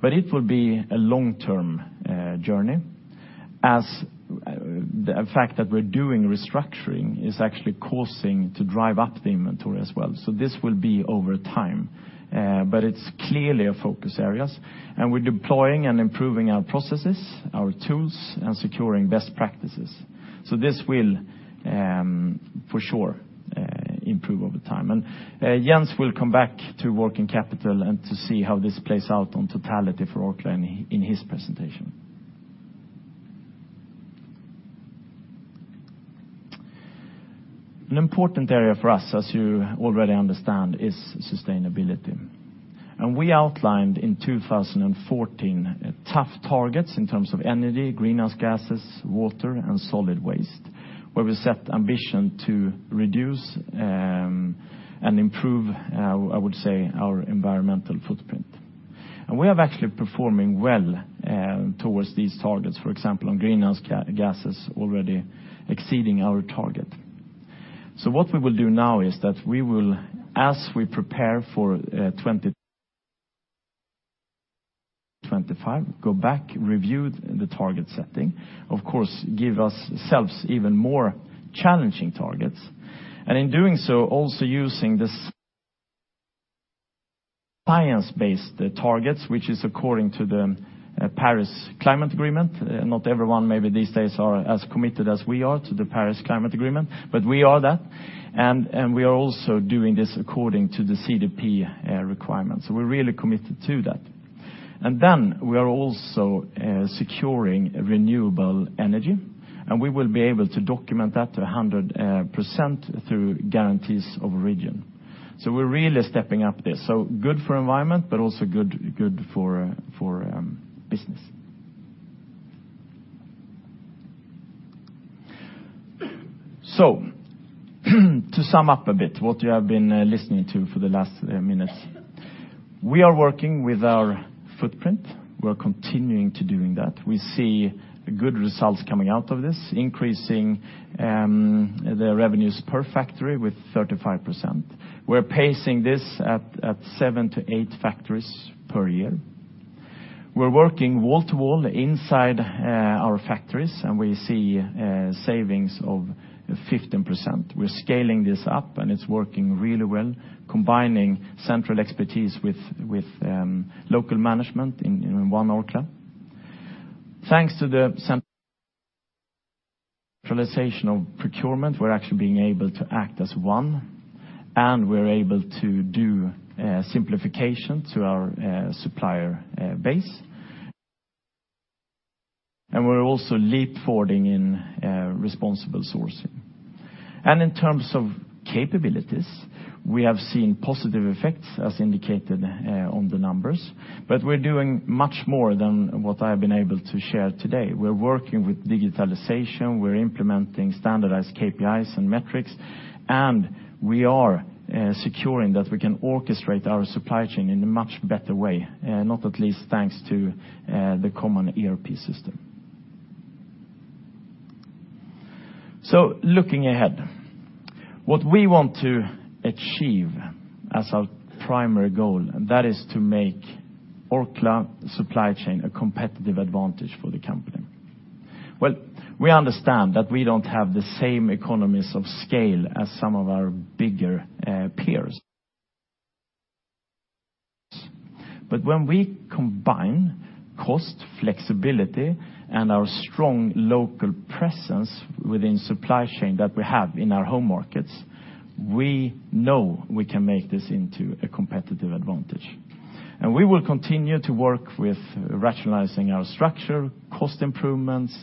but it will be a long-term journey As the fact that we're doing restructuring is actually causing to drive up the inventory as well. This will be over time, but it's clearly a focus areas, and we're deploying and improving our processes, our tools, and securing best practices. This will, for sure, improve over time. Jens will come back to working capital and to see how this plays out on totality for Orkla in his presentation. An important area for us, as you already understand, is sustainability. We outlined in 2014 tough targets in terms of energy, greenhouse gases, water, and solid waste, where we set ambition to reduce and improve, I would say, our environmental footprint. We are actually performing well towards these targets, for example, on greenhouse gases already exceeding our target. What we will do now is that we will, as we prepare for 2025, go back, review the target setting, of course give ourselves even more challenging targets. In doing so, also using the science-based targets, which is according to the Paris Climate Agreement. Not everyone maybe these days are as committed as we are to the Paris Climate Agreement, but we are that. We are also doing this according to the CDP requirements. We're really committed to that. We are also securing renewable energy, and we will be able to document that to 100% through guarantees of origin. We're really stepping up this. Good for environment, but also good for business. To sum up a bit what you have been listening to for the last minutes. We are working with our footprint. We are continuing to doing that. We see good results coming out of this, increasing the revenues per factory with 35%. We're pacing this at seven to eight factories per year. We're working wall-to-wall inside our factories, and we see savings of 15%. We're scaling this up, and it's working really well, combining central expertise with local management in One Orkla. Thanks to the centralization of procurement, we're actually being able to act as one, and we're able to do simplification to our supplier base. We're also leapfrogging in responsible sourcing. In terms of capabilities, we have seen positive effects as indicated on the numbers, but we're doing much more than what I've been able to share today. We're working with digitalization. We're implementing standardized KPIs and metrics, and we are securing that we can orchestrate our supply chain in a much better way, not at least thanks to the common ERP system. Looking ahead, what we want to achieve as our primary goal, and that is to make Orkla supply chain a competitive advantage for the company. Well, we understand that we don't have the same economies of scale as some of our bigger peers. When we combine cost flexibility and our strong local presence within supply chain that we have in our home markets, we know we can make this into a competitive advantage. We will continue to work with rationalizing our structure, cost improvements,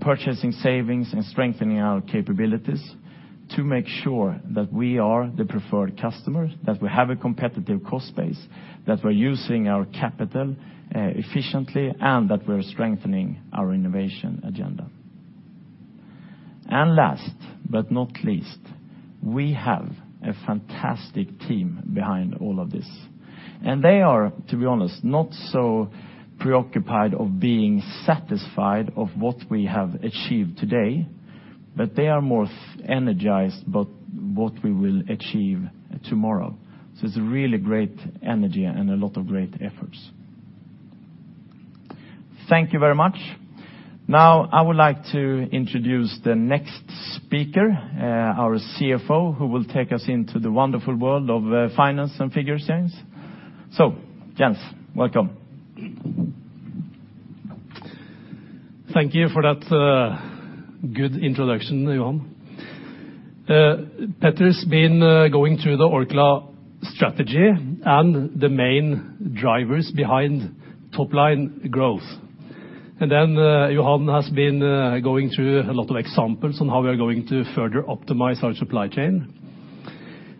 purchasing savings, and strengthening our capabilities to make sure that we are the preferred customer, that we have a competitive cost base, that we're using our capital efficiently, and that we're strengthening our innovation agenda. Last but not least, we have a fantastic team behind all of this, and they are, to be honest, not so preoccupied of being satisfied of what we have achieved today, but they are more energized about what we will achieve tomorrow. It's a really great energy and a lot of great efforts. Thank you very much. Now I would like to introduce the next speaker, our CFO, who will take us into the wonderful world of finance and figure savings. Jens, welcome. Thank you for that good introduction, Johan. Petter's been going through the Orkla strategy and the main drivers behind top line growth. Johan has been going through a lot of examples on how we are going to further optimize our supply chain.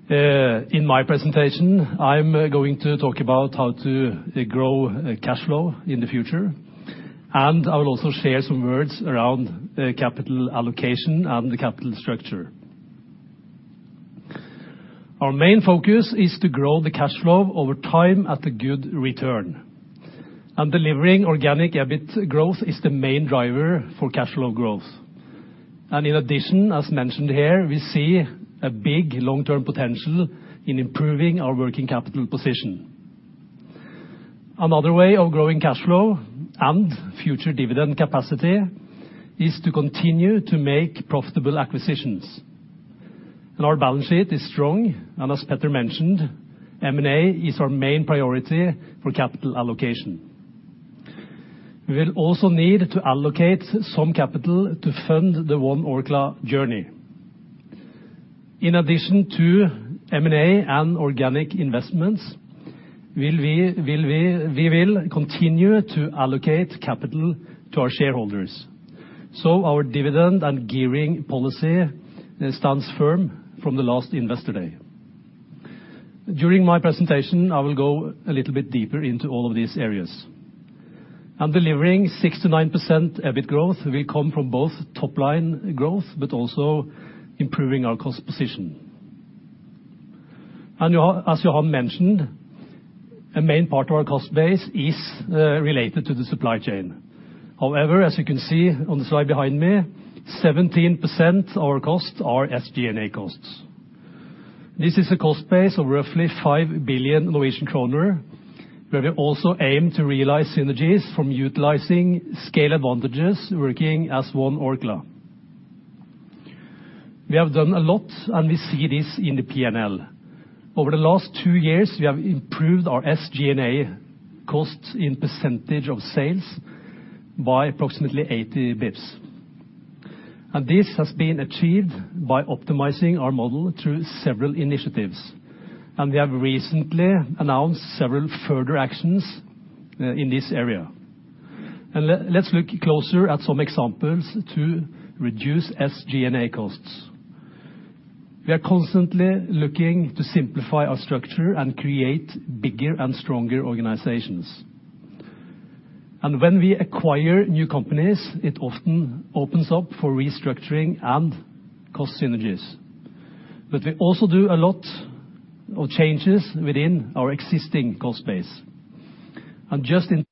In my presentation, I'm going to talk about how to grow cash flow in the future, and I will also share some words around capital allocation and the capital structure. Our main focus is to grow the cash flow over time at a good return. Delivering organic EBIT growth is the main driver for cash flow growth. In addition, as mentioned here, we see a big long-term potential in improving our working capital position. Another way of growing cash flow and future dividend capacity is to continue to make profitable acquisitions. Our balance sheet is strong, and as Petter mentioned, M&A is our main priority for capital allocation. We will also need to allocate some capital to fund the One Orkla journey. In addition to M&A and organic investments, we will continue to allocate capital to our shareholders. Our dividend and gearing policy stands firm from the last Investor Day. During my presentation, I will go a little bit deeper into all of these areas. Delivering 69% EBIT growth will come from both top-line growth, but also improving our cost position. As Johan mentioned, a main part of our cost base is related to the supply chain. However, as you can see on the slide behind me, 17% of our costs are SG&A costs. This is a cost base of roughly 5 billion Norwegian kroner, where we also aim to realize synergies from utilizing scale advantages working as One Orkla. We have done a lot, and we see this in the P&L. Over the last 2 years, we have improved our SG&A costs in percentage of sales by approximately 80 basis points. This has been achieved by optimizing our model through several initiatives, and we have recently announced several further actions in this area. Let's look closer at some examples to reduce SG&A costs. We are constantly looking to simplify our structure and create bigger and stronger organizations. When we acquire new companies, it often opens up for restructuring and cost synergies. We also do a lot of changes within our existing cost base. Just in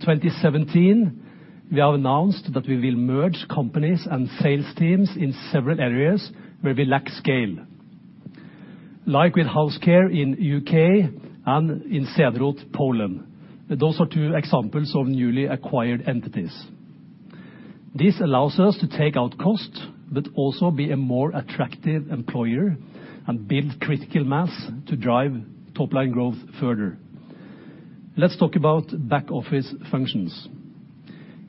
2017, we have announced that we will merge companies and sales teams in several areas where we lack scale, like with Healthcare in U.K. and in Cederroth, Poland. Those are two examples of newly acquired entities. This allows us to take out cost, but also be a more attractive employer and build critical mass to drive top-line growth further. Let's talk about back-office functions.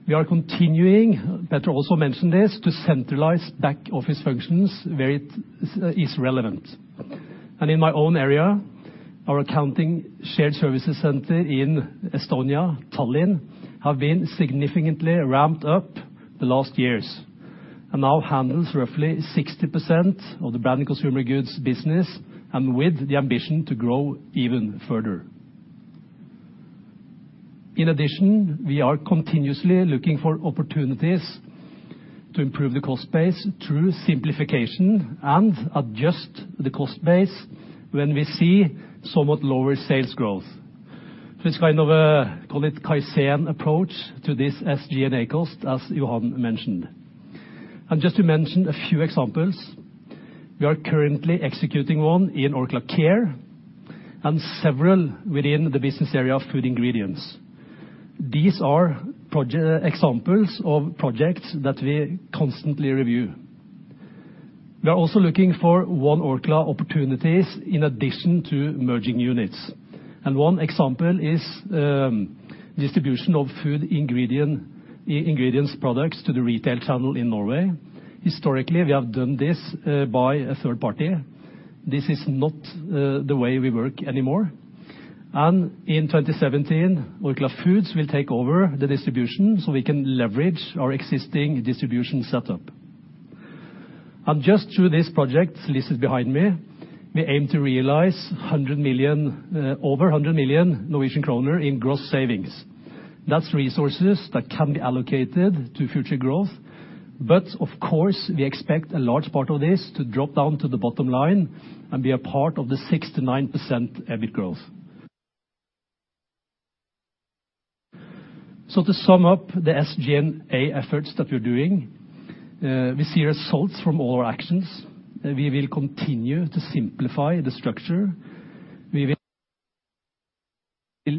We are continuing, Petter also mentioned this, to centralize back-office functions where it is relevant. In my own area, our accounting shared services center in Estonia, Tallinn, have been significantly ramped up the last years and now handles roughly 60% of the Branded Consumer Goods business and with the ambition to grow even further. In addition, we are continuously looking for opportunities to improve the cost base through simplification and adjust the cost base when we see somewhat lower sales growth. This kind of a, call it, Keynesian approach to this SG&A cost, as Johan mentioned. Just to mention a few examples, we are currently executing one in Orkla Care and several within the business area of Food Ingredients. These are examples of projects that we constantly review. We are also looking for One Orkla opportunities in addition to merging units. One example is distribution of Food Ingredients products to the retail channel in Norway. Historically, we have done this by a third party. This is not the way we work anymore. In 2017, Orkla Foods will take over the distribution so we can leverage our existing distribution setup. Just through this project, listed behind me, we aim to realize over 100 million Norwegian kroner in gross savings. That's resources that can be allocated to future growth. Of course, we expect a large part of this to drop down to the bottom line and be a part of the 69% EBIT growth. To sum up the SG&A efforts that we're doing, we see results from all our actions. We will continue to simplify the structure. We will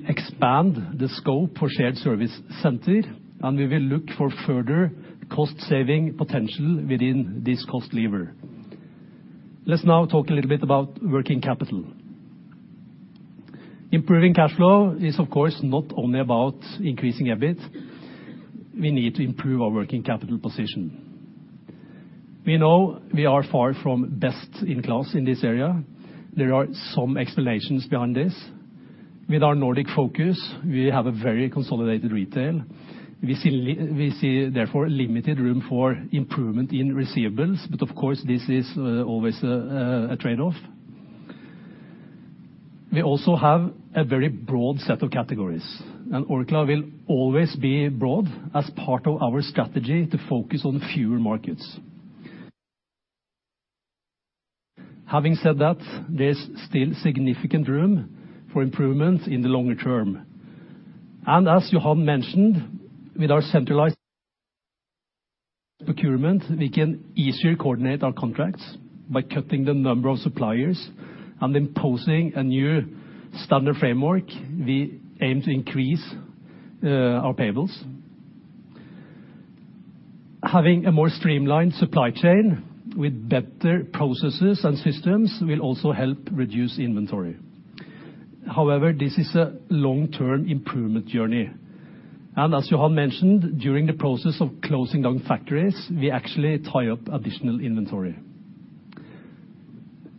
expand the scope for shared service center, and we will look for further cost-saving potential within this cost lever. Let's now talk a little bit about working capital. Improving cash flow is, of course, not only about increasing EBIT. We need to improve our working capital position. We know we are far from best in class in this area. There are some explanations behind this. With our Nordic focus, we have a very consolidated retail. We see, therefore, limited room for improvement in receivables, but of course, this is always a trade-off. We also have a very broad set of categories, and Orkla will always be broad as part of our strategy to focus on fewer markets. Having said that, there's still significant room for improvements in the longer term. As Johan mentioned, with our centralized Procurement, we can easier coordinate our contracts by cutting the number of suppliers and imposing a new standard framework. We aim to increase our payables. Having a more streamlined supply chain with better processes and systems will also help reduce inventory. However, this is a long-term improvement journey. As Johan mentioned, during the process of closing down factories, we actually tie up additional inventory.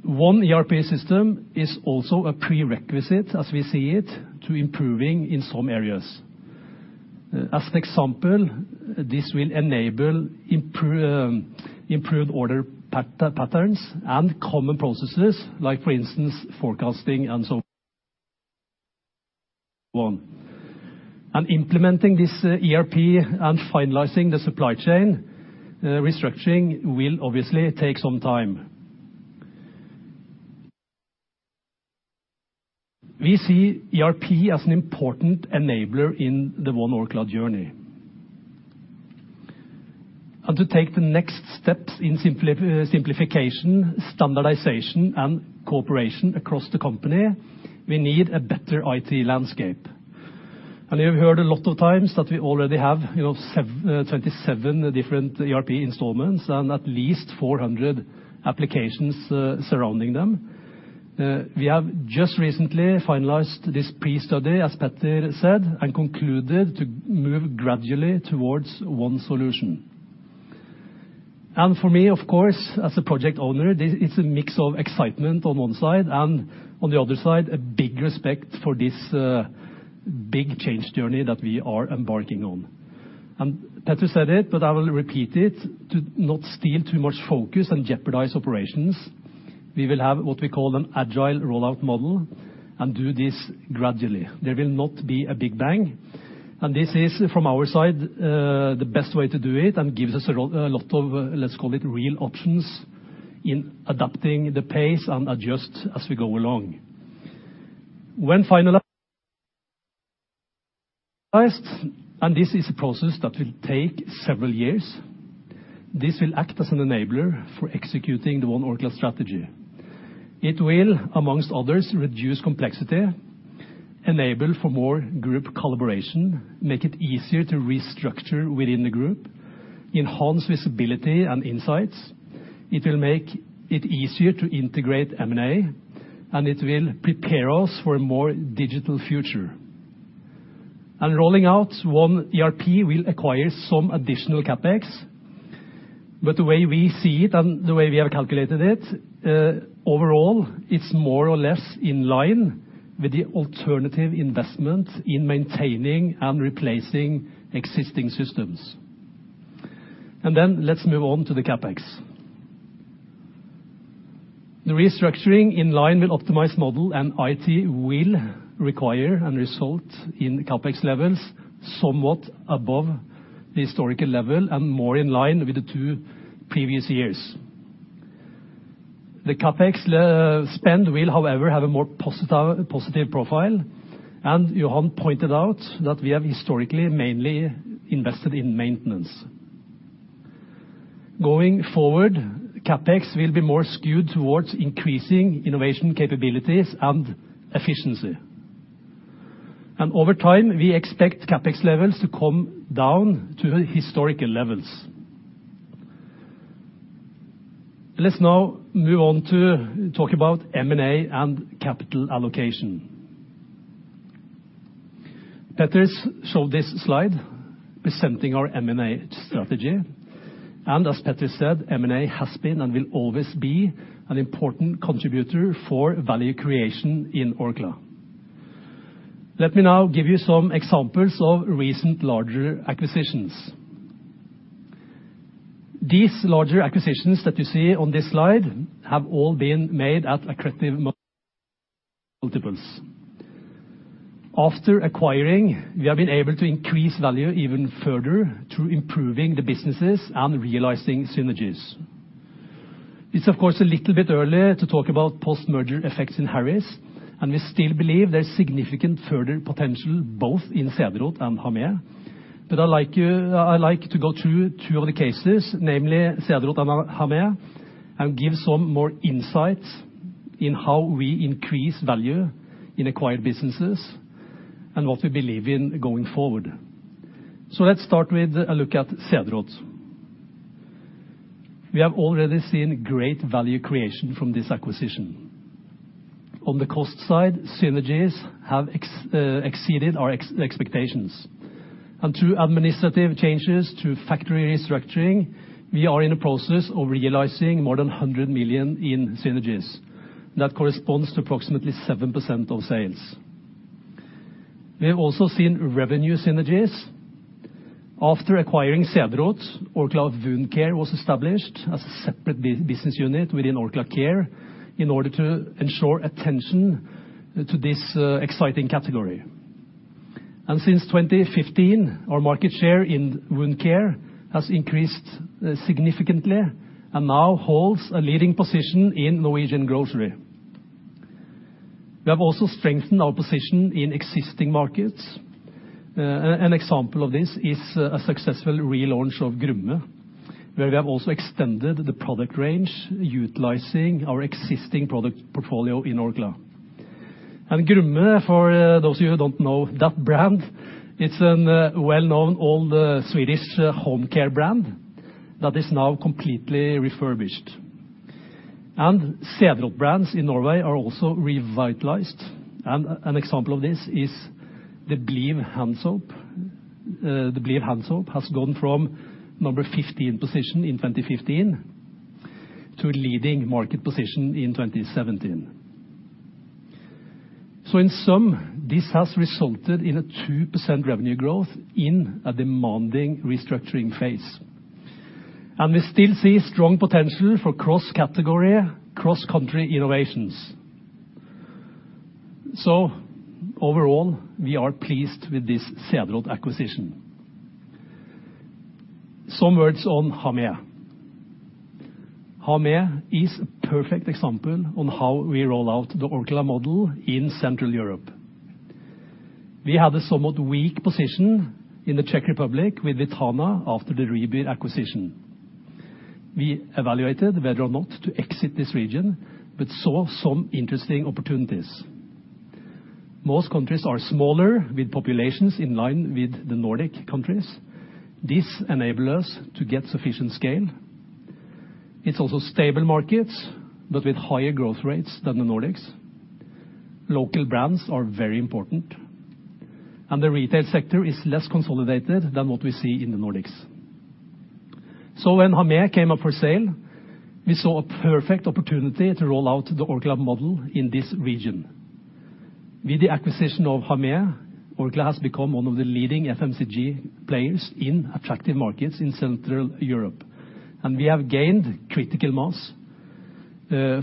One ERP system is also a prerequisite, as we see it, to improving in some areas. As an example, this will enable improved order patterns and common processes like, for instance, forecasting and so on. Implementing this ERP and finalizing the supply chain restructuring will obviously take some time. We see ERP as an important enabler in the One Orkla journey. To take the next steps in simplification, standardization, and cooperation across the company, we need a better IT landscape. You've heard a lot of times that we already have 27 different ERP installments and at least 400 applications surrounding them. We have just recently finalized this pre-study, as Petter said, and concluded to move gradually towards one solution. For me, of course, as a project owner, it's a mix of excitement on one side and on the other side, a big respect for this big change journey that we are embarking on. Petter said it, but I will repeat it, to not steal too much focus and jeopardize operations, we will have what we call an agile rollout model and do this gradually. There will not be a big bang, this is, from our side, the best way to do it and gives us a lot of, let's call it, real options in adapting the pace and adjust as we go along. When finalized, this is a process that will take several years, this will act as an enabler for executing the One Orkla strategy. It will, among others, reduce complexity, enable for more group collaboration, make it easier to restructure within the group, enhance visibility and insights. It will make it easier to integrate M&A, it will prepare us for a more digital future. Rolling out one ERP will acquire some additional CapEx, the way we see it and the way we have calculated it, overall, it's more or less in line with the alternative investment in maintaining and replacing existing systems. Then let's move on to the CapEx. The restructuring in line with optimized model and IT will require and result in CapEx levels somewhat above the historical level and more in line with the two previous years. The CapEx spend will, however, have a more positive profile, Johan pointed out that we have historically mainly invested in maintenance. Going forward, CapEx will be more skewed towards increasing innovation capabilities and efficiency. Over time, we expect CapEx levels to come down to historical levels. Let's now move on to talk about M&A and capital allocation. Petter showed this slide presenting our M&A strategy. As Petter said, M&A has been and will always be an important contributor for value creation in Orkla. Let me now give you some examples of recent larger acquisitions. These larger acquisitions that you see on this slide have all been made at accretive multiples. After acquiring, we have been able to increase value even further through improving the businesses and realizing synergies. It's, of course, a little bit early to talk about post-merger effects in Hamé, we still believe there's significant further potential both in Cederroth and Hamé. I like to go through two of the cases, namely Cederroth and Hamé, give some more insights in how we increase value in acquired businesses and what we believe in going forward. Let's start with a look at Cederroth. We have already seen great value creation from this acquisition. On the cost side, synergies have exceeded our expectations. Through administrative changes to factory restructuring, we are in the process of realizing more than 100 million in synergies. That corresponds to approximately 7% of sales. We have also seen revenue synergies. After acquiring Cederroth, Orkla Wound Care was established as a separate business unit within Orkla Care in order to ensure attention to this exciting category. Since 2015, our market share in wound care has increased significantly and now holds a leading position in Norwegian grocery. We have also strengthened our position in existing markets. An example of this is a successful relaunch of Grumme, where we have also extended the product range, utilizing our existing product portfolio in Orkla. Grumme, for those of you who don't know that brand, it's a well-known old Swedish home care brand that is now completely refurbished. Cederroth brands in Norway are also revitalized, and an example of this is the Bliw hand soap. The Bliw hand soap has gone from number 15 position in 2015 to a leading market position in 2017. In sum, this has resulted in a 2% revenue growth in a demanding restructuring phase. We still see strong potential for cross-category, cross-country innovations. Overall, we are pleased with this Cederroth acquisition. Some words on Hamé. Hamé is a perfect example on how we roll out the Orkla model in Central Europe. We had a somewhat weak position in the Czech Republic with Vitana after the Rieber & Søn acquisition. We evaluated whether or not to exit this region saw some interesting opportunities. Most countries are smaller, with populations in line with the Nordic countries. This enable us to get sufficient scale. It's also stable markets, with higher growth rates than the Nordics. Local brands are very important. The retail sector is less consolidated than what we see in the Nordics. When Hamé came up for sale, we saw a perfect opportunity to roll out the Orkla model in this region. With the acquisition of Hamé, Orkla has become one of the leading FMCG players in attractive markets in Central Europe, we have gained critical mass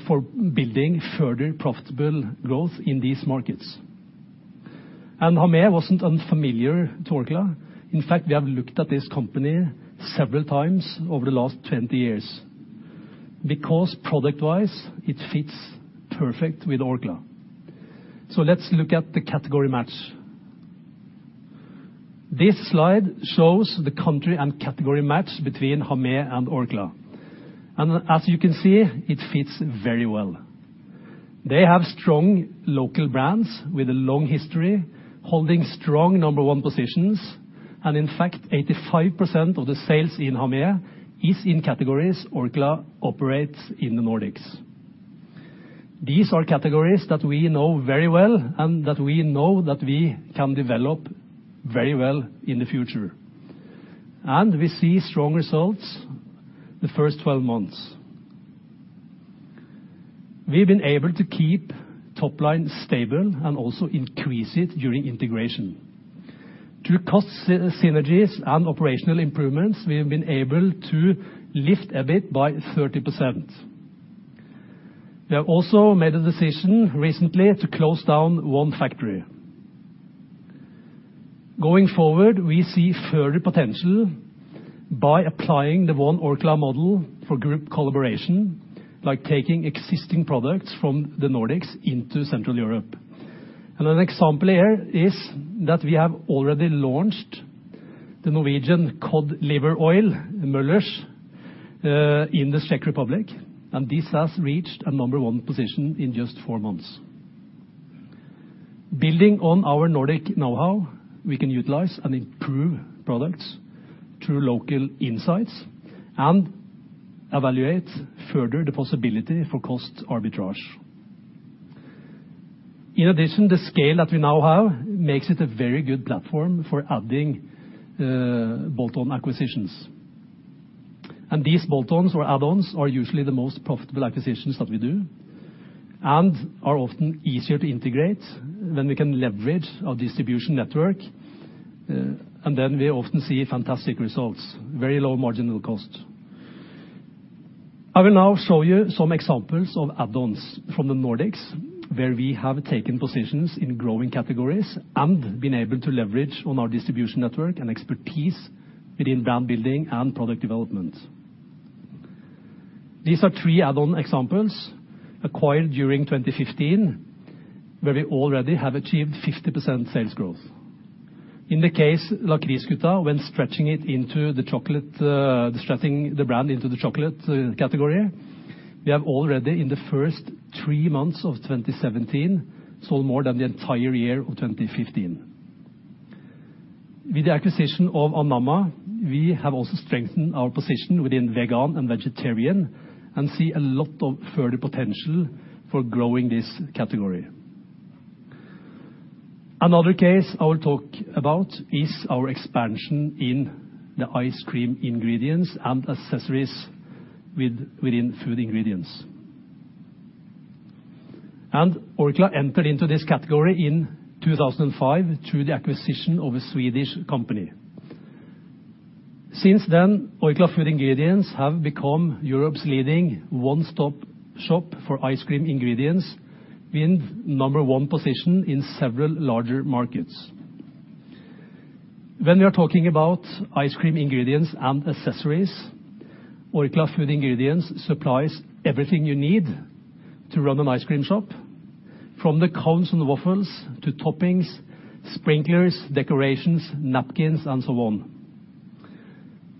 for building further profitable growth in these markets. Hamé wasn't unfamiliar to Orkla. In fact, we have looked at this company several times over the last 20 years because product-wise, it fits perfect with Orkla. Let's look at the category match. This slide shows the country and category match between Hamé and Orkla, as you can see, it fits very well. They have strong local brands with a long history, holding strong number one positions in fact, 85% of the sales in Hamé is in categories Orkla operates in the Nordics. These are categories that we know very well and that we know that we can develop very well in the future. We see strong results the first 12 months. We've been able to keep top line stable and also increase it during integration. Through cost synergies and operational improvements, we have been able to lift EBIT by 30%. We have also made a decision recently to close down one factory. Going forward, we see further potential by applying the One Orkla model for group collaboration, like taking existing products from the Nordics into Central Europe. An example here is that we have already launched the Norwegian cod liver oil, Möller's, in the Czech Republic, and this has reached a number 1 position in just four months. Building on our Nordic know-how, we can utilize and improve products through local insights and evaluate further the possibility for cost arbitrage. In addition, the scale that we now have makes it a very good platform for adding bolt-on acquisitions. These bolt-ons or add-ons are usually the most profitable acquisitions that we do and are often easier to integrate when we can leverage our distribution network, and then we often see fantastic results, very low marginal cost. I will now show you some examples of add-ons from the Nordics, where we have taken positions in growing categories and been able to leverage on our distribution network and expertise within brand building and product development. These are three add-on examples acquired during 2015, where we already have achieved 50% sales growth. In the case Lakrisgutta, when stretching the brand into the chocolate category, we have already in the first three months of 2017 sold more than the entire year of 2015. With the acquisition of Anamma, we have also strengthened our position within vegan and vegetarian and see a lot of further potential for growing this category. Another case I will talk about is our expansion in the ice cream ingredients and accessories within food ingredients. Orkla entered into this category in 2005 through the acquisition of a Swedish company. Since then, Orkla Food Ingredients have become Europe's leading one-stop shop for ice cream ingredients, being number 1 position in several larger markets. When we are talking about ice cream ingredients and accessories, Orkla Food Ingredients supplies everything you need to run an ice cream shop, from the cones and the waffles, to toppings, sprinklers, decorations, napkins, and so on.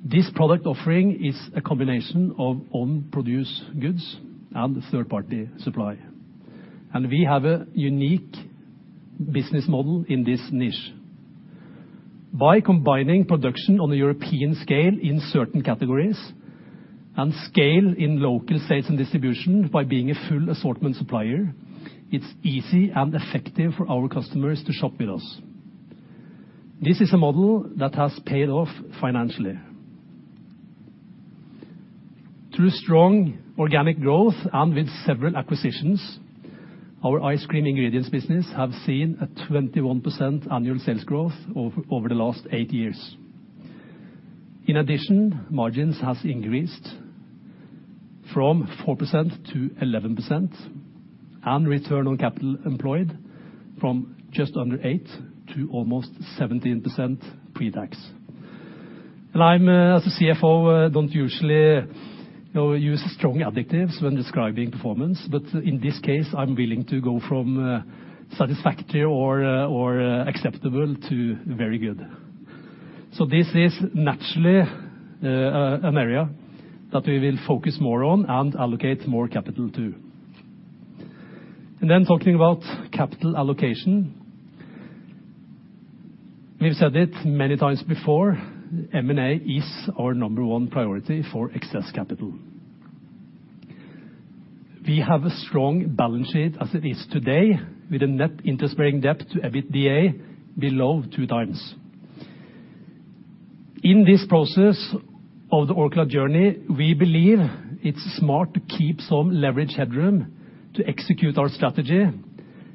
This product offering is a combination of own produced goods and third-party supply. We have a unique business model in this niche. By combining production on a European scale in certain categories and scale in local sales and distribution by being a full assortment supplier, it's easy and effective for our customers to shop with us. This is a model that has paid off financially. Through strong organic growth and with several acquisitions, our ice cream ingredients business have seen a 21% annual sales growth over the last eight years. In addition, margins has increased from 4% to 11%, and return on capital employed from just under 8% to almost 17% pre-tax. I, as a CFO, don't usually use strong adjectives when describing performance, but in this case, I'm willing to go from satisfactory or acceptable to very good. This is naturally an area that we will focus more on and allocate more capital to. Then talking about capital allocation, we've said it many times before, M&A is our number 1 priority for excess capital. We have a strong balance sheet as it is today with a net interest-bearing debt-to-EBITDA below two times. In this process of the Orkla journey, we believe it's smart to keep some leverage headroom to execute our strategy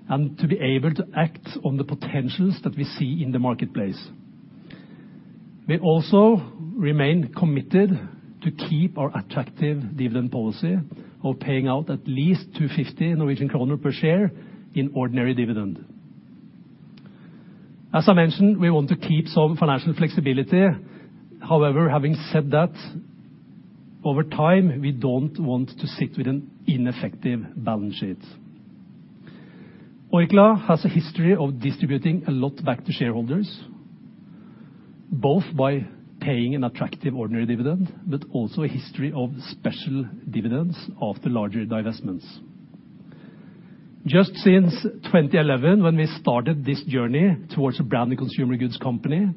and to be able to act on the potentials that we see in the marketplace. We also remain committed to keep our attractive dividend policy of paying out at least 2.50 Norwegian kroner per share in ordinary dividend. As I mentioned, we want to keep some financial flexibility. However, having said that, over time, we don't want to sit with an ineffective balance sheet. Orkla has a history of distributing a lot back to shareholders, both by paying an attractive ordinary dividend, but also a history of special dividends after larger divestments. Just since 2011, when we started this journey towards a branded consumer goods company,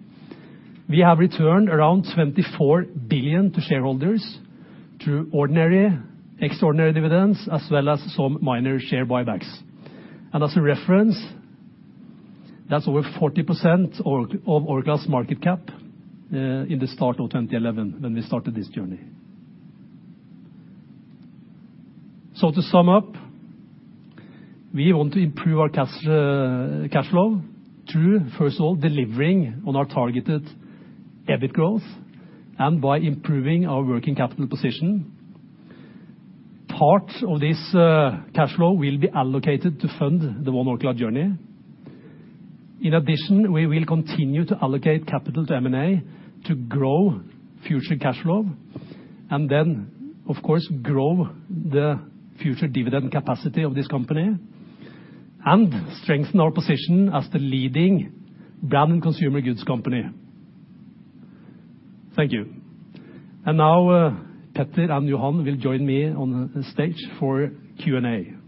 we have returned around 24 billion to shareholders through ordinary, extraordinary dividends, as well as some minor share buybacks. As a reference, that's over 40% of Orkla's market cap, in the start of 2011, when we started this journey. To sum up, we want to improve our cash flow through, first of all, delivering on our targeted EBIT growth and by improving our working capital position. Part of this cash flow will be allocated to fund the One Orkla journey. In addition, we will continue to allocate capital to M&A to grow future cash flow, then, of course, grow the future dividend capacity of this company and strengthen our position as the leading brand and consumer goods company. Thank you. Now, Peter and Johan will join me on the stage for Q&A.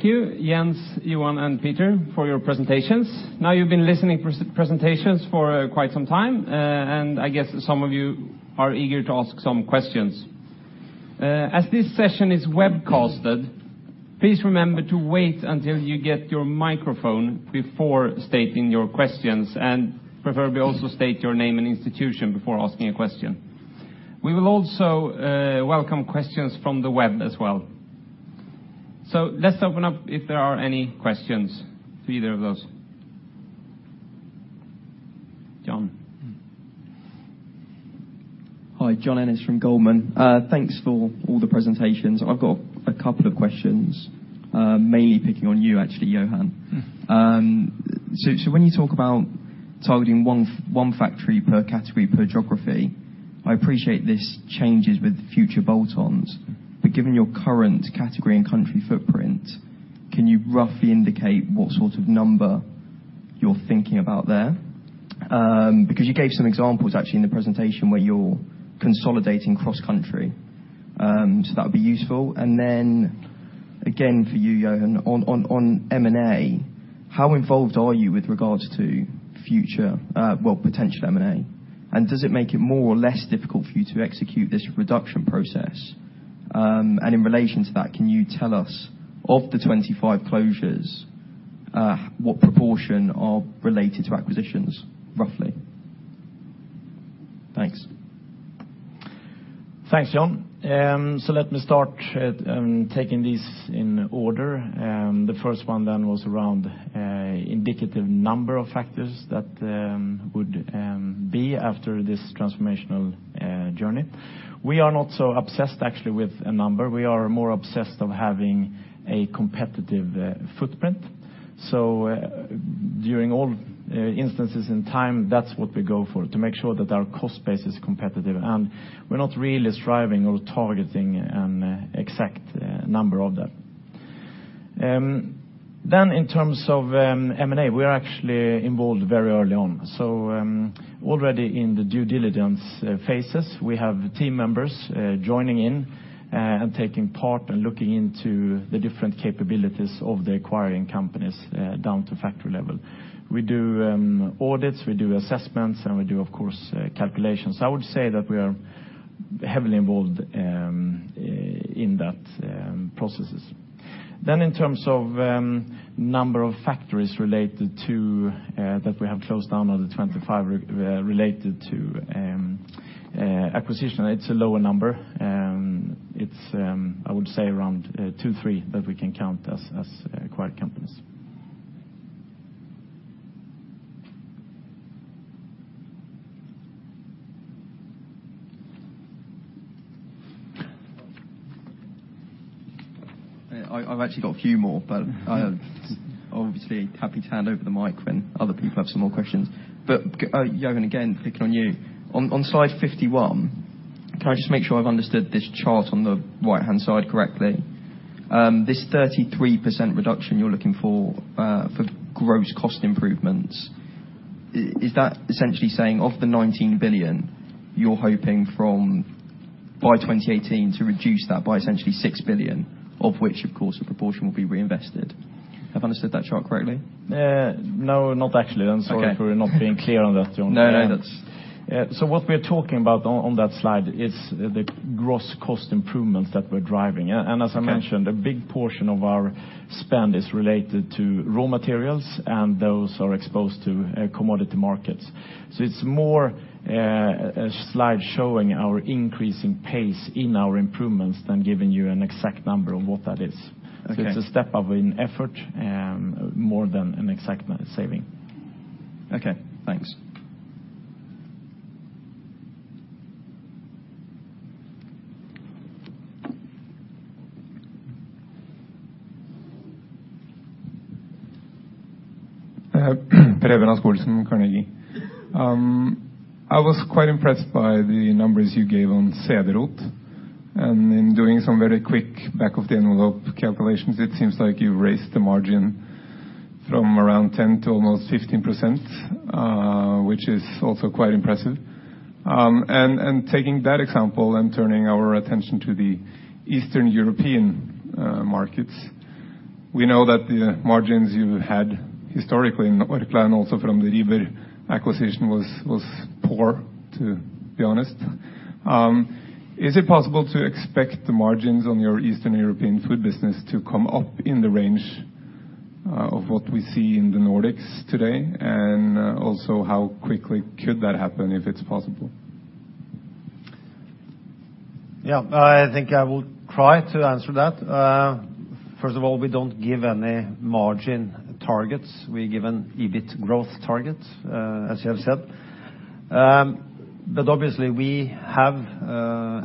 Thank you, Jens, Johan, and Peter for your presentations. Now you've been listening presentations for quite some time, and I guess some of you are eager to ask some questions. As this session is webcasted, please remember to wait until you get your microphone before stating your questions, and preferably also state your name and institution before asking a question. We will also welcome questions from the web as well. Let's open up if there are any questions for either of those. John. Hi. John Ennis from Goldman. Thanks for all the presentations. I've got a couple of questions, mainly picking on you, actually, Johan. When you talk about targeting one factory per category per geography, I appreciate this changes with future bolt-ons. Given your current category and country footprint, can you roughly indicate what sort of number you're thinking about there? Because you gave some examples, actually, in the presentation where you're consolidating cross-country, that would be useful. Then again for you, Johan, on M&A, how involved are you with regards to future, well, potential M&A? Does it make it more or less difficult for you to execute this reduction process? In relation to that, can you tell us, of the 25 closures, what proportion are related to acquisitions, roughly? Thanks. Thanks, John. Let me start taking these in order. The first one was around indicative number of factors that would be after this transformational journey. We are not so obsessed, actually, with a number. We are more obsessed of having a competitive footprint. During all instances in time, that's what we go for, to make sure that our cost base is competitive. We're not really striving or targeting an exact number of them. In terms of M&A, we are actually involved very early on. Already in the due diligence phases, we have team members joining in and taking part and looking into the different capabilities of the acquiring companies down to factory level. We do audits, we do assessments, and we do, of course, calculations. I would say that we are heavily involved in that processes. In terms of number of factories that we have closed down, of the 25 related to acquisition, it's a lower number. It's, I would say around two, three that we can count as acquired companies. I've actually got a few more, I am obviously happy to hand over the mic when other people have some more questions. Johan, again, clicking on you. On slide 51, can I just make sure I've understood this chart on the right-hand side correctly? This 33% reduction you're looking for for gross cost improvements, is that essentially saying, of the 19 billion, you're hoping by 2018 to reduce that by essentially 6 billion, of which, of course, a proportion will be reinvested? Have I understood that chart correctly? No, not actually. Sorry. I'm sorry for not being clear on that, John. No, no. What we're talking about on that slide is the gross cost improvements that we're driving. Okay. As I mentioned, a big portion of our spend is related to raw materials, and those are exposed to commodity markets. It's more a slide showing our increasing pace in our improvements than giving you an exact number of what that is. Okay. It's a step-up in effort more than an exact saving. Okay, thanks. Preben Askedal from Carnegie. I was quite impressed by the numbers you gave on Cederroth, and in doing some very quick back of the envelope calculations, it seems like you've raised the margin from around 10% to almost 15%, which is also quite impressive. Taking that example and turning our attention to the Eastern European markets, we know that the margins you had historically in Orkla and also from the Rieber acquisition was poor, to be honest. Is it possible to expect the margins on your Eastern European food business to come up in the range of what we see in the Nordics today? Also how quickly could that happen, if it's possible? I think I will try to answer that. First of all, we don't give any margin targets. We give an EBIT growth target, as you have said. Obviously, we have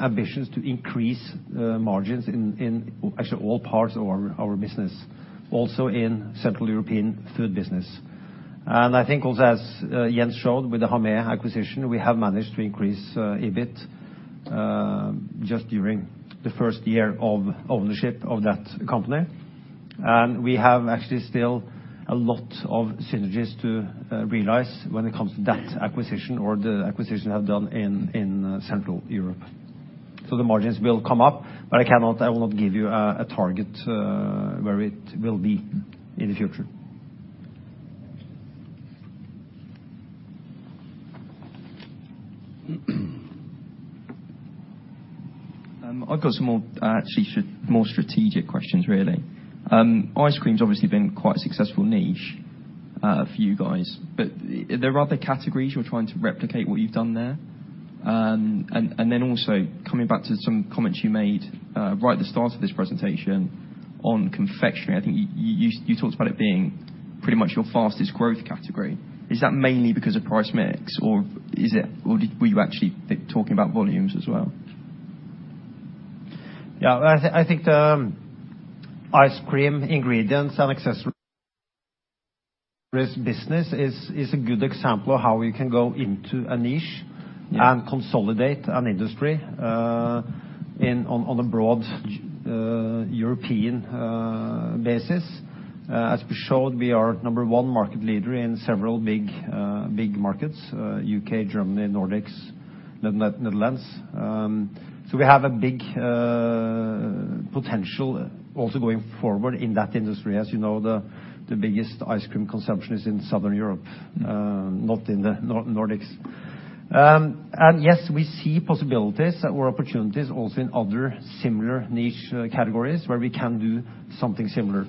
ambitions to increase margins in actually all parts of our business, also in Central European food business. I think also, as Jens showed with the Hamé acquisition, we have managed to increase EBIT just during the first year of ownership of that company. We have actually still a lot of synergies to realize when it comes to that acquisition or the acquisition we have done in Central Europe. The margins will come up, but I will not give you a target where it will be in the future. I've got some more strategic questions, really. Ice cream's obviously been quite a successful niche for you guys, but are there other categories you're trying to replicate what you've done there? Then also, coming back to some comments you made right at the start of this presentation on confectionery, I think you talked about it being pretty much your fastest growth category. Is that mainly because of price mix, or were you actually talking about volumes as well? I think the ice cream ingredients and accessories business is a good example of how we can go into a niche- Yeah Consolidate an industry on a broad European basis. As we showed, we are number one market leader in several big markets, U.K., Germany, Nordics, Netherlands. potential also going forward in that industry. As you know, the biggest ice cream consumption is in Southern Europe, not in the Nordics. Yes, we see possibilities or opportunities also in other similar niche categories where we can do something similar.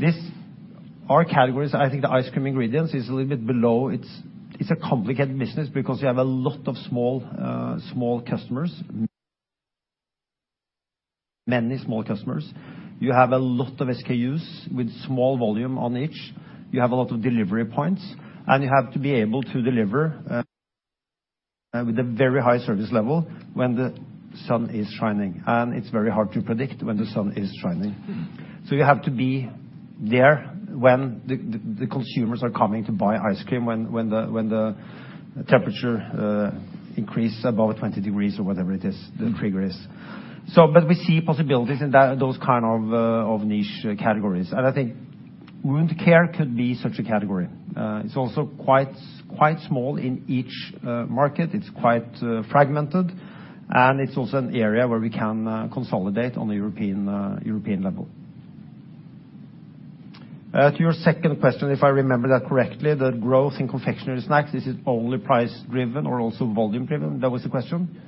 I think the ice cream ingredients is a little bit below. It's a complicated business because you have a lot of small customers, many small customers. You have a lot of SKUs with small volume on each. You have a lot of delivery points, you have to be able to deliver with a very high service level when the sun is shining. It's very hard to predict when the sun is shining. You have to be there when the consumers are coming to buy ice cream, when the temperature increases above 20 degrees or whatever it is, the trigger is. We see possibilities in those kind of niche categories. I think wound care could be such a category. It's also quite small in each market. It's quite fragmented. It's also an area where we can consolidate on a European level. To your second question, if I remember that correctly, the growth in confectionery snacks, this is only price driven or also volume driven? That was the question.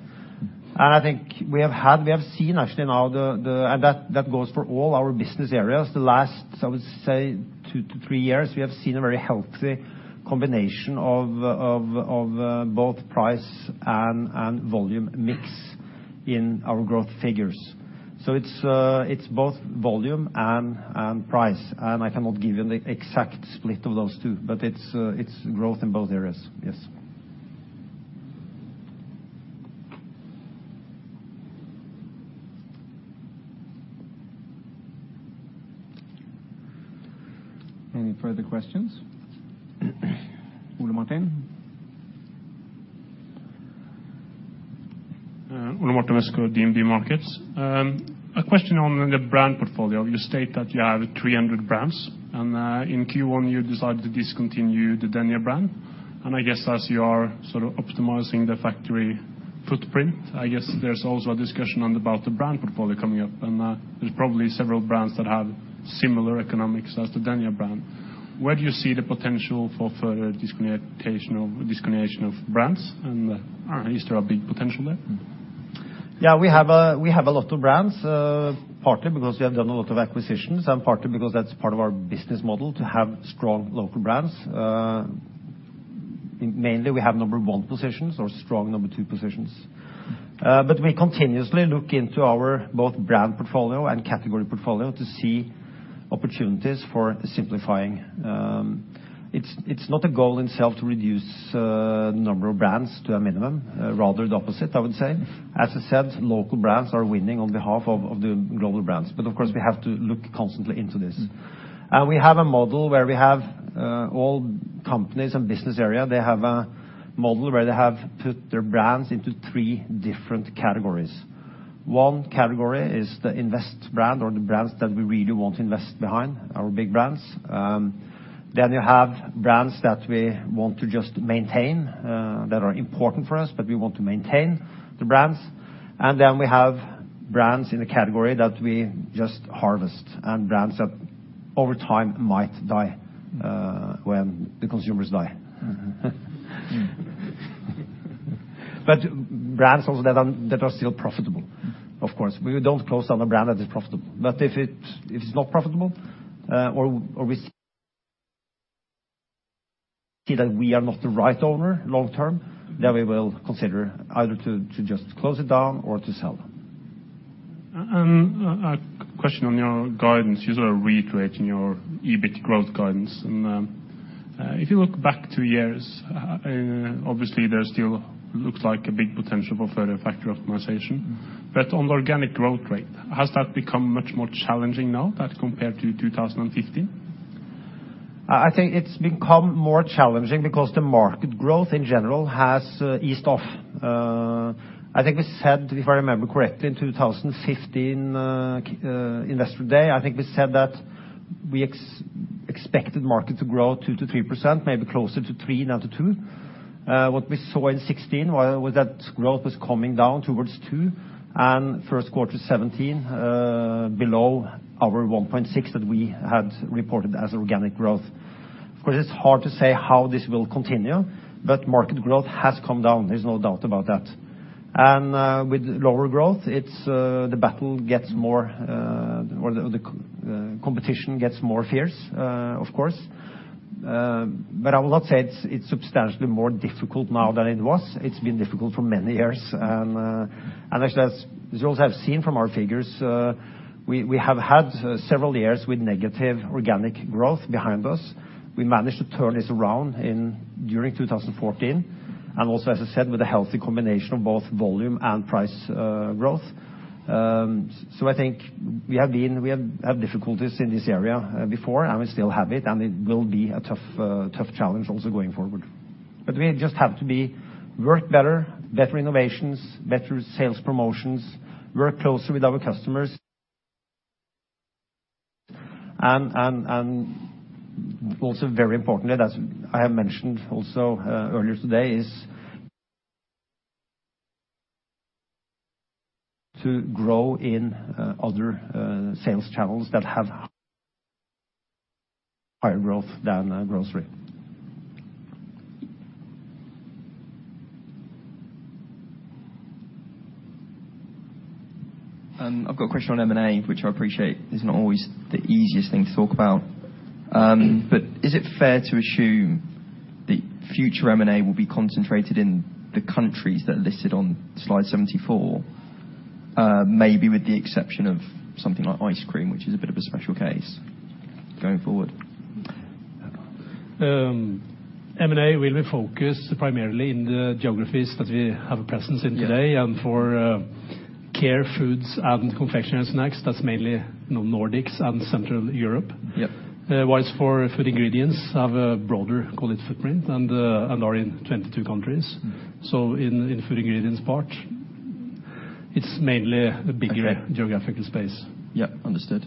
I think we have seen actually now, and that goes for all our business areas, the last, I would say two to three years, we have seen a very healthy combination of both price and volume mix in our growth figures. It's both volume and price. I cannot give you the exact split of those two, but it's growth in both areas. Yes. Any further questions? Ole Martin? Ole Martin Westgaard, DNB Markets. A question on the brand portfolio. You state that you have 300 brands, and in Q1 you decided to discontinue the Dania brand. I guess as you are optimizing the factory footprint, I guess there's also a discussion about the brand portfolio coming up. There's probably several brands that have similar economics as the Dania brand. Where do you see the potential for further discontinuation of brands, is there a big potential there? Yeah, we have a lot of brands, partly because we have done a lot of acquisitions and partly because that's part of our business model to have strong local brands. Mainly we have number 1 positions or strong number 2 positions. We continuously look into our both brand portfolio and category portfolio to see opportunities for simplifying. It's not a goal in itself to reduce number of brands to a minimum. Rather the opposite, I would say. As I said, local brands are winning on behalf of the global brands. Of course, we have to look constantly into this. We have a model where we have all companies and business area, they have a model where they have put their brands into three different categories. One category is the invest brand or the brands that we really want to invest behind, our big brands. You have brands that we want to just maintain, that are important for us, but we want to maintain the brands. We have brands in a category that we just harvest and brands that over time might die when the consumers die. Brands also that are still profitable. Of course, we don't close down a brand that is profitable. If it's not profitable, or we see that we are not the right owner long term, then we will consider either to just close it down or to sell. A question on your guidance. You sort of reiterating your EBIT growth guidance. If you look back two years, obviously there still looks like a big potential for further factory optimization. On organic growth rate, has that become much more challenging now compared to 2015? I think it's become more challenging because the market growth in general has eased off. I think we said, if I remember correctly, in 2015 Investor Day, I think we said that we expected market to grow 2%-3%, maybe closer to 3%, now to 2%. What we saw in 2016 was that growth was coming down towards 2%, and first quarter 2017 below our 1.6% that we had reported as organic growth. It's hard to say how this will continue, market growth has come down. There's no doubt about that. With lower growth, the competition gets more fierce, of course. I will not say it's substantially more difficult now than it was. It's been difficult for many years. Actually, as you also have seen from our figures, we have had several years with negative organic growth behind us. We managed to turn this around during 2014, and also, as I said, with a healthy combination of both volume and price growth. I think we have had difficulties in this area before, and we still have it, and it will be a tough challenge also going forward. We just have to work better innovations, better sales promotions, work closer with our customers Also very importantly, as I have mentioned also earlier today, is to grow in other sales channels that have higher growth than grocery. I've got a question on M&A, which I appreciate is not always the easiest thing to talk about. Is it fair to assume that future M&A will be concentrated in the countries that are listed on slide 74, maybe with the exception of something like ice cream, which is a bit of a special case going forward? M&A will be focused primarily in the geographies that we have a presence in today. Yeah. For care foods and confectionery snacks, that's mainly Nordics and Central Europe. Yep. For Food Ingredients, have a broader, call it footprint, and are in 22 countries. In Food Ingredients part, it's mainly a bigger-. Okay geographical space. Yeah, understood.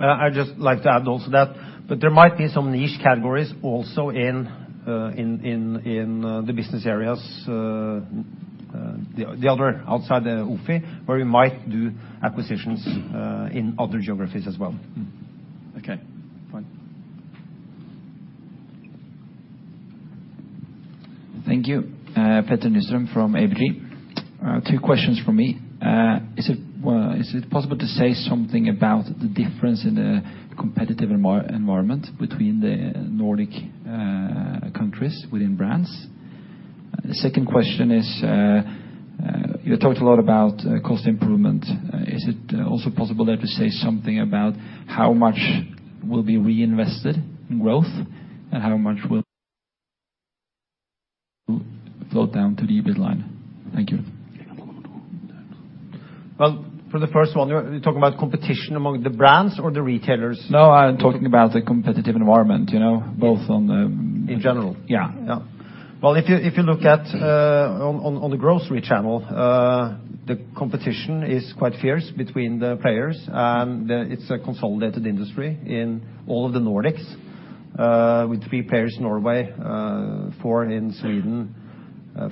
I'd just like to add also that there might be some niche categories also in the business areas, the other outside the OFI, where we might do acquisitions in other geographies as well. Okay. Fine. Thank you. Petter Nystrøm from ABG. Two questions from me. Is it possible to say something about the difference in the competitive environment between the Nordic countries within brands? The second question is, you talked a lot about cost improvement. Is it also possible there to say something about how much will be reinvested in growth and how much will float down to the EBIT line? Thank you. Well, for the first one, you're talking about competition among the brands or the retailers? No, I'm talking about the competitive environment, both on the- In general? Yeah. Yeah. Well, if you look at on the grocery channel, the competition is quite fierce between the players, and it's a consolidated industry in all of the Nordics, with three players in Norway, four in Sweden,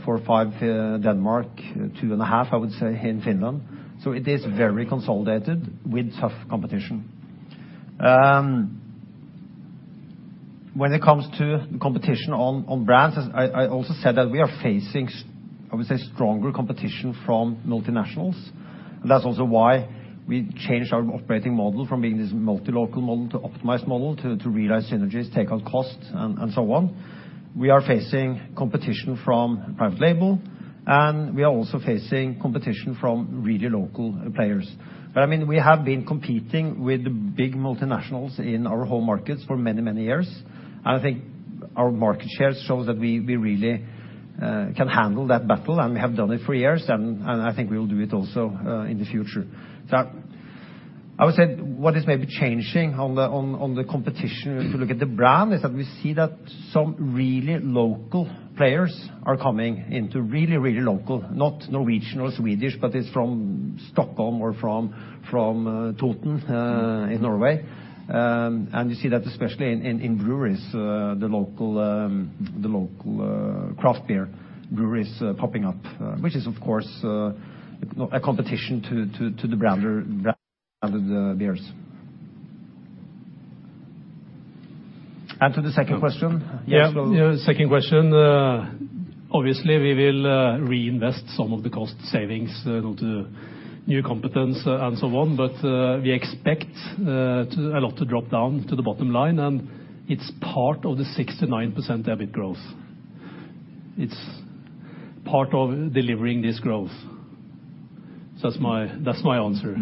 four or five Denmark, two and a half, I would say, in Finland. It is very consolidated with tough competition. When it comes to the competition on brands, as I also said, that we are facing, I would say, stronger competition from multinationals. That's also why we changed our operating model from being this multi-local model to optimized model, to realize synergies, take out costs, and so on. We are facing competition from private label, and we are also facing competition from really local players. We have been competing with the big multinationals in our home markets for many years. I think our market share shows that we really can handle that battle, and we have done it for years, and I think we will do it also in the future. I would say what is maybe changing on the competition, if you look at the brand, is that we see that some really local players are coming into, really local, not Norwegian or Swedish, but it's from Stockholm or from Toten in Norway. You see that especially in breweries, the local craft beer breweries popping up, which is, of course, a competition to the branded beers. To the second question? Yeah. The second question, obviously, we will reinvest some of the cost savings into new competence and so on, but we expect a lot to drop down to the bottom line, and it's part of the 6% - 9% EBIT growth. It's part of delivering this growth. That's my answer.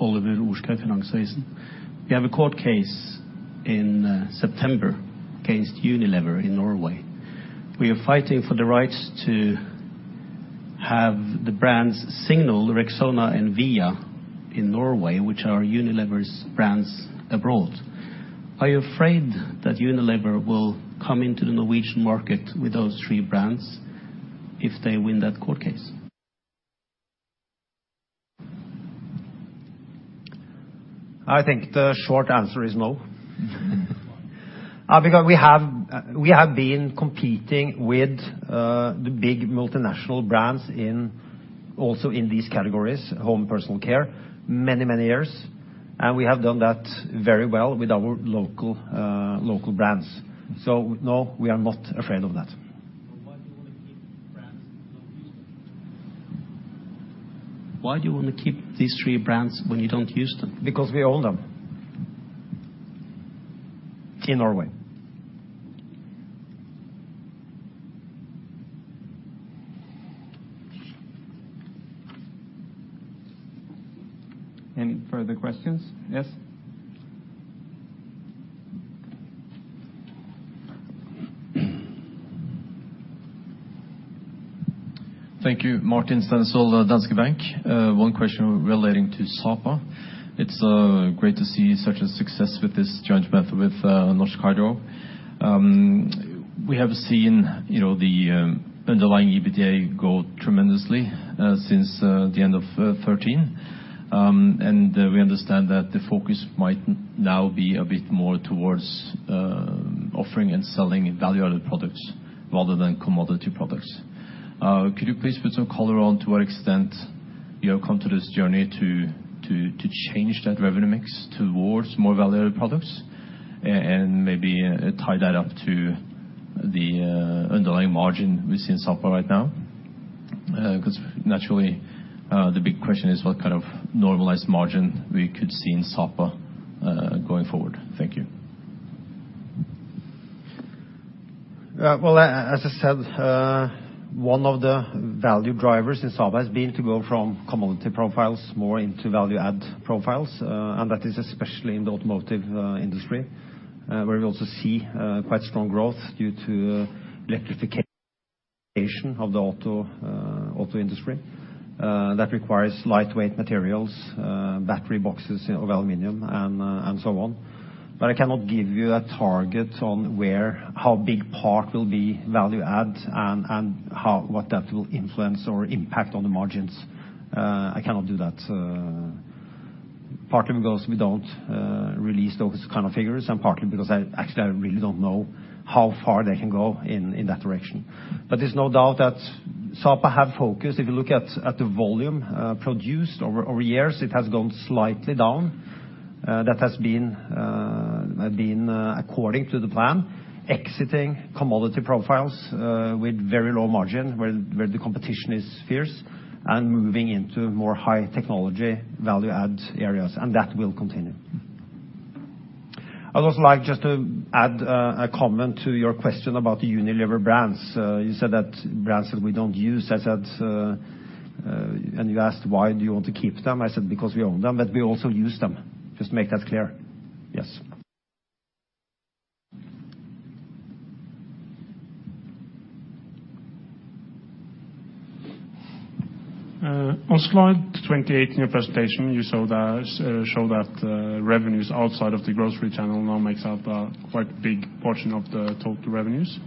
Oliver Orskaug, Finansavisen. You have a court case in September against Unilever in Norway. We are fighting for the rights to have the brands Signal, Rexona, and Via in Norway, which are Unilever's brands abroad. Are you afraid that Unilever will come into the Norwegian market with those three brands if they win that court case? I think the short answer is no. We have been competing with the big multinational brands also in these categories, home personal care, many years, and we have done that very well with our local brands. No, we are not afraid of that. Why do you want to keep brands you don't use? Why do you want to keep these three brands when you don't use them? We own them in Norway. Any further questions? Yes. Thank you. Martin Stensøl, Danske Bank. One question relating to Sapa. It's great to see such a success with this joint venture with Norsk Hydro. We have seen the underlying EBITDA grow tremendously since the end of 2013, and we understand that the focus might now be a bit more towards offering and selling value-added products, rather than commodity products. Could you please put some color on to what extent you have come to this journey to change that revenue mix towards more value-added products, and maybe tie that up to the underlying margin we see in Sapa right now? Naturally, the big question is what kind of normalized margin we could see in Sapa going forward. Thank you. Well, as I said, one of the value drivers in Sapa has been to go from commodity profiles more into value-add profiles. That is especially in the automotive industry, where we also see quite strong growth due to electrification of the auto industry. That requires lightweight materials, battery boxes of aluminum, and so on. I cannot give you a target on how big part will be value add, and what that will influence or impact on the margins. I cannot do that. Partly because we don't release those kind of figures, and partly because I actually really don't know how far they can go in that direction. There's no doubt that Sapa have focused. If you look at the volume produced over years, it has gone slightly down. That has been according to the plan, exiting commodity profiles with very low margin, where the competition is fierce, and moving into more high-technology, value-add areas, and that will continue. I'd also like just to add a comment to your question about the Unilever brands. You said that brands that we don't use, and you asked why do you want to keep them? I said because we own them, but we also use them. Just make that clear. Yes. On slide 28 in your presentation, you show that revenues outside of the grocery channel now makes up a quite big portion of the total revenues.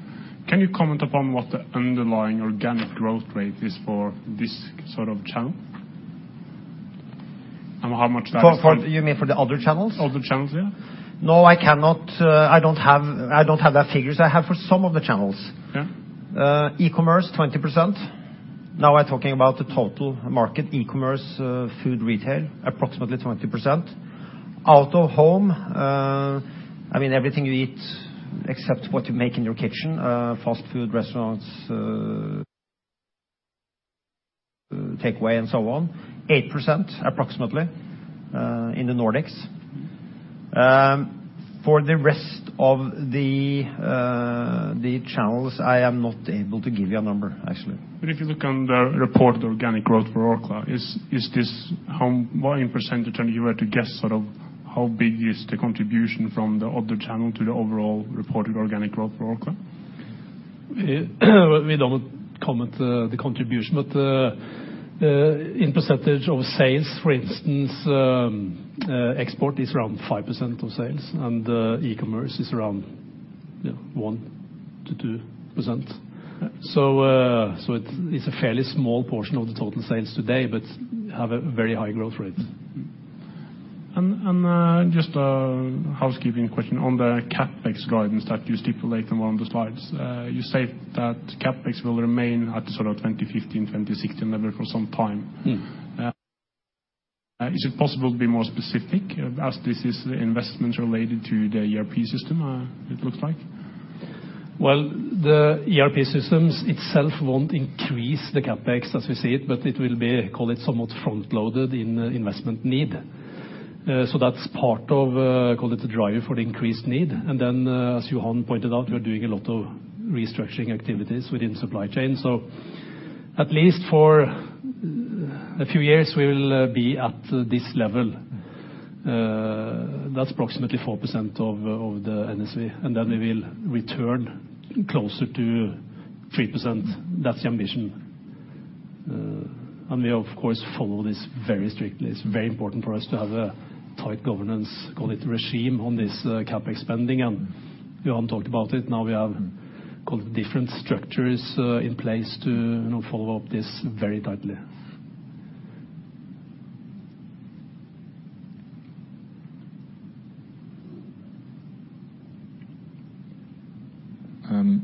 Can you comment upon what the underlying organic growth rate is for this sort of channel? You mean for the other channels? Other channels, yeah. No, I cannot. I don't have that figures. I have for some of the channels. Yeah. e-commerce, 20%. Now we're talking about the total market, e-commerce, food retail, approximately 20%. Out of home, I mean, everything you eat except what you make in your kitchen, fast food restaurants, takeaway, and so on, 8%, approximately, in the Nordics. For the rest of the channels, I am not able to give you a number, actually. If you look on the reported organic growth for Orkla, what in percentage, if you were to guess sort of how big is the contribution from the other channel to the overall reported organic growth for Orkla? We don't comment the contribution, in percentage of sales, for instance, export is around 5% of sales, and e-commerce is around 1%-2%. It's a fairly small portion of the total sales today, but have a very high growth rate. Just a housekeeping question. On the CapEx guidance that you stipulate on one of the slides, you say that CapEx will remain at sort of 2015, 2016 level for some time. Is it possible to be more specific, as this is investment related to the ERP system, it looks like? The ERP systems itself won't increase the CapEx as we see it, but it will be, call it, somewhat front-loaded in investment need. That's part of, call it, the driver for the increased need. Then, as Johan pointed out, we are doing a lot of restructuring activities within supply chain. At least for a few years, we will be at this level. That's approximately 4% of the NSV, then we will return closer to 3%. That's the ambition. We, of course, follow this very strictly. It's very important for us to have a tight governance, call it, regime on this CapEx spending, Johan talked about it. Now we have, call it, different structures in place to follow up this very tightly.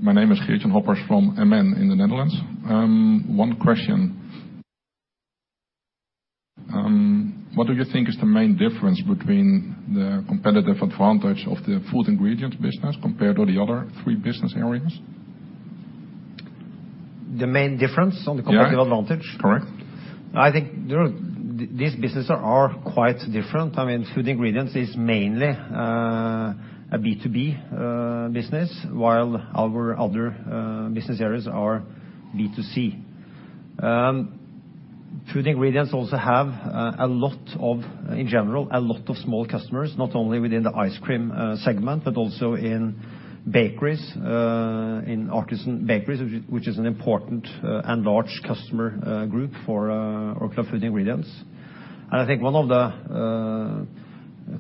My name is Geert-Jan Hoppers from MN in the Netherlands. One question. What do you think is the main difference between the competitive advantage of the food ingredient business compared to the other three business areas? The main difference on the competitive advantage? Yeah. Correct. I think these businesses are quite different. Food ingredients is mainly a B2B business, while our other business areas are B2C. Food ingredients also have, in general, a lot of small customers, not only within the ice cream segment, but also in artisan bakeries, which is an important and large customer group for Orkla Food Ingredients. I think one of the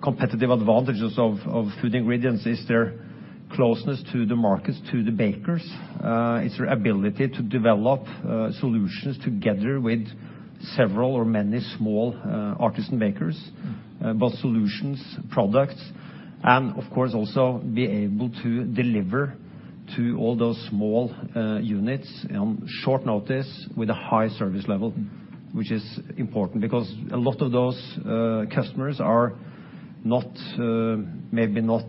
competitive advantages of Food ingredients is their closeness to the markets, to the bakers. It's their ability to develop solutions together with several or many small artisan bakers, both solutions, products, and of course, also be able to deliver to all those small units on short notice with a high service level, which is important because a lot of those customers are maybe not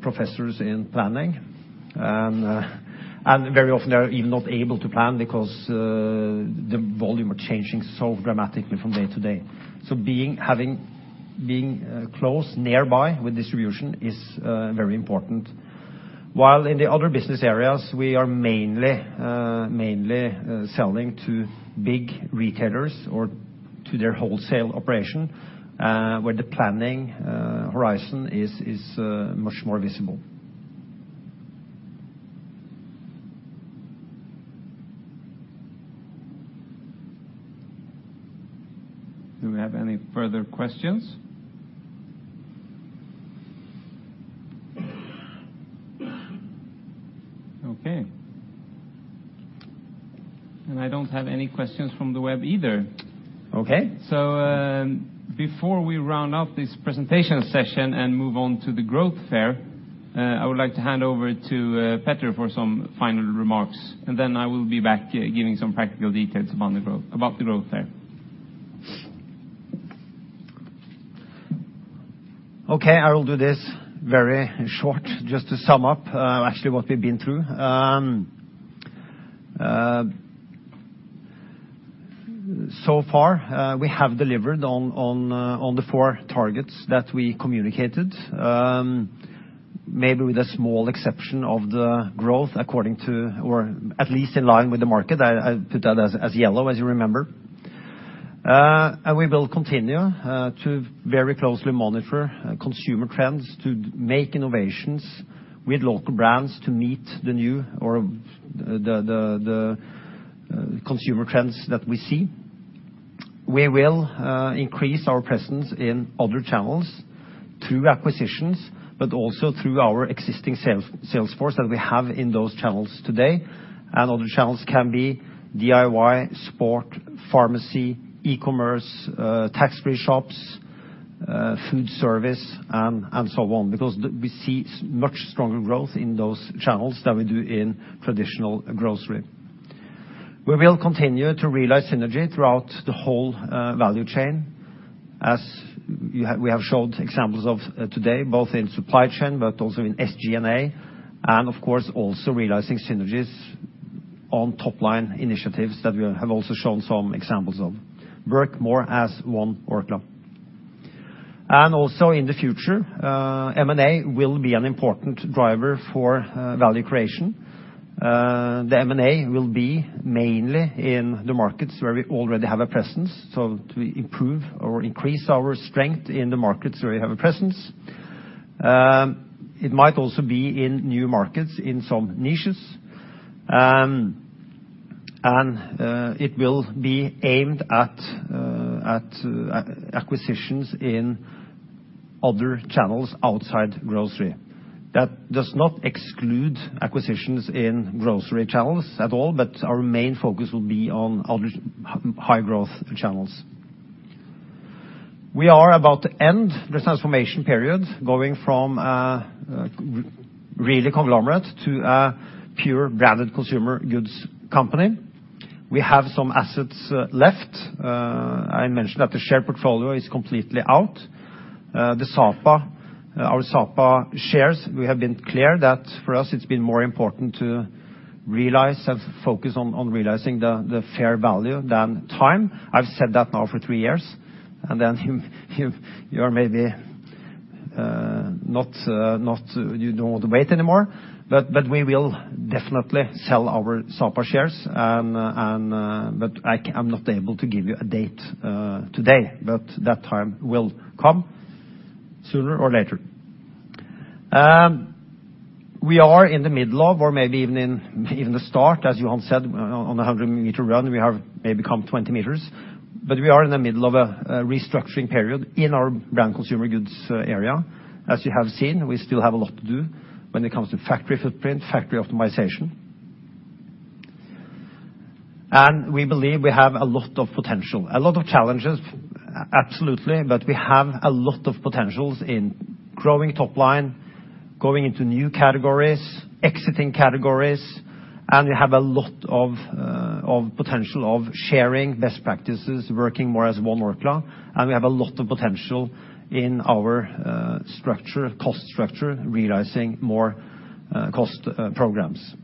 professors in planning. Very often, they're even not able to plan because the volume are changing so dramatically from day to day. Being close nearby with distribution is very important. While in the other business areas, we are mainly selling to big retailers or to their wholesale operation, where the planning horizon is much more visible. Do we have any further questions? Okay. I don't have any questions from the web either. Okay. Before we round off this presentation session and move on to the growth fair, I would like to hand over to Petter for some final remarks, then I will be back giving some practical details about the growth fair. Okay, I will do this very short just to sum up actually what we've been through. So far, we have delivered on the four targets that we communicated, maybe with a small exception of the growth according to, or at least in line with the market. I put that as yellow, as you remember. We will continue to very closely monitor consumer trends to make innovations with local brands to meet the consumer trends that we see. We will increase our presence in other channels through acquisitions, but also through our existing sales force that we have in those channels today. Other channels can be DIY, sport, pharmacy, e-commerce, tax-free shops, food service, and so on, because we see much stronger growth in those channels than we do in traditional grocery. We will continue to realize synergy throughout the whole value chain, as we have showed examples of today, both in supply chain but also in SG&A, and of course, also realizing synergies on top-line initiatives that we have also shown some examples of. Work more as One Orkla. Also in the future, M&A will be an important driver for value creation. The M&A will be mainly in the markets where we already have a presence, so to improve or increase our strength in the markets where we have a presence. It might also be in new markets, in some niches. It will be aimed at acquisitions in other channels outside grocery. That does not exclude acquisitions in grocery channels at all, but our main focus will be on other high-growth channels. We are about to end the transformation period, going from really conglomerate to a pure branded consumer goods company. We have some assets left. I mentioned that the share portfolio is completely out. Our Sapa shares, we have been clear that for us it's been more important to focus on realizing the fair value than time. I've said that now for three years, you don't want to wait anymore. We will definitely sell our Sapa shares, but I'm not able to give you a date today. That time will come sooner or later. We are in the middle of, or maybe even the start, as Johan said, on the 100-meter run, we have maybe come 20 meters. We are in the middle of a restructuring period in our brand consumer goods area. As you have seen, we still have a lot to do when it comes to factory footprint, factory optimization. We believe we have a lot of potential. A lot of challenges, absolutely, but we have a lot of potential in growing top line, going into new categories, exiting categories, and we have a lot of potential of sharing best practices, working more as One Orkla, and we have a lot of potential in our cost structure, realizing more cost programs.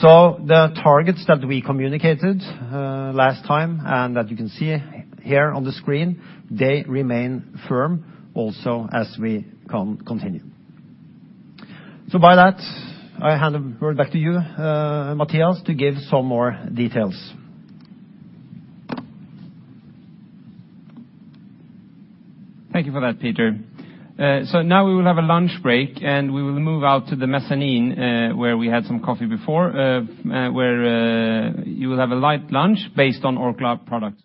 The targets that we communicated last time and that you can see here on the screen, they remain firm also as we continue. With that, I hand it back to you, Mattias, to give some more details. Thank you for that, Petter. Now we will have a lunch break, and we will move out to the mezzanine where we had some coffee before, where you will have a light lunch based on Orkla products.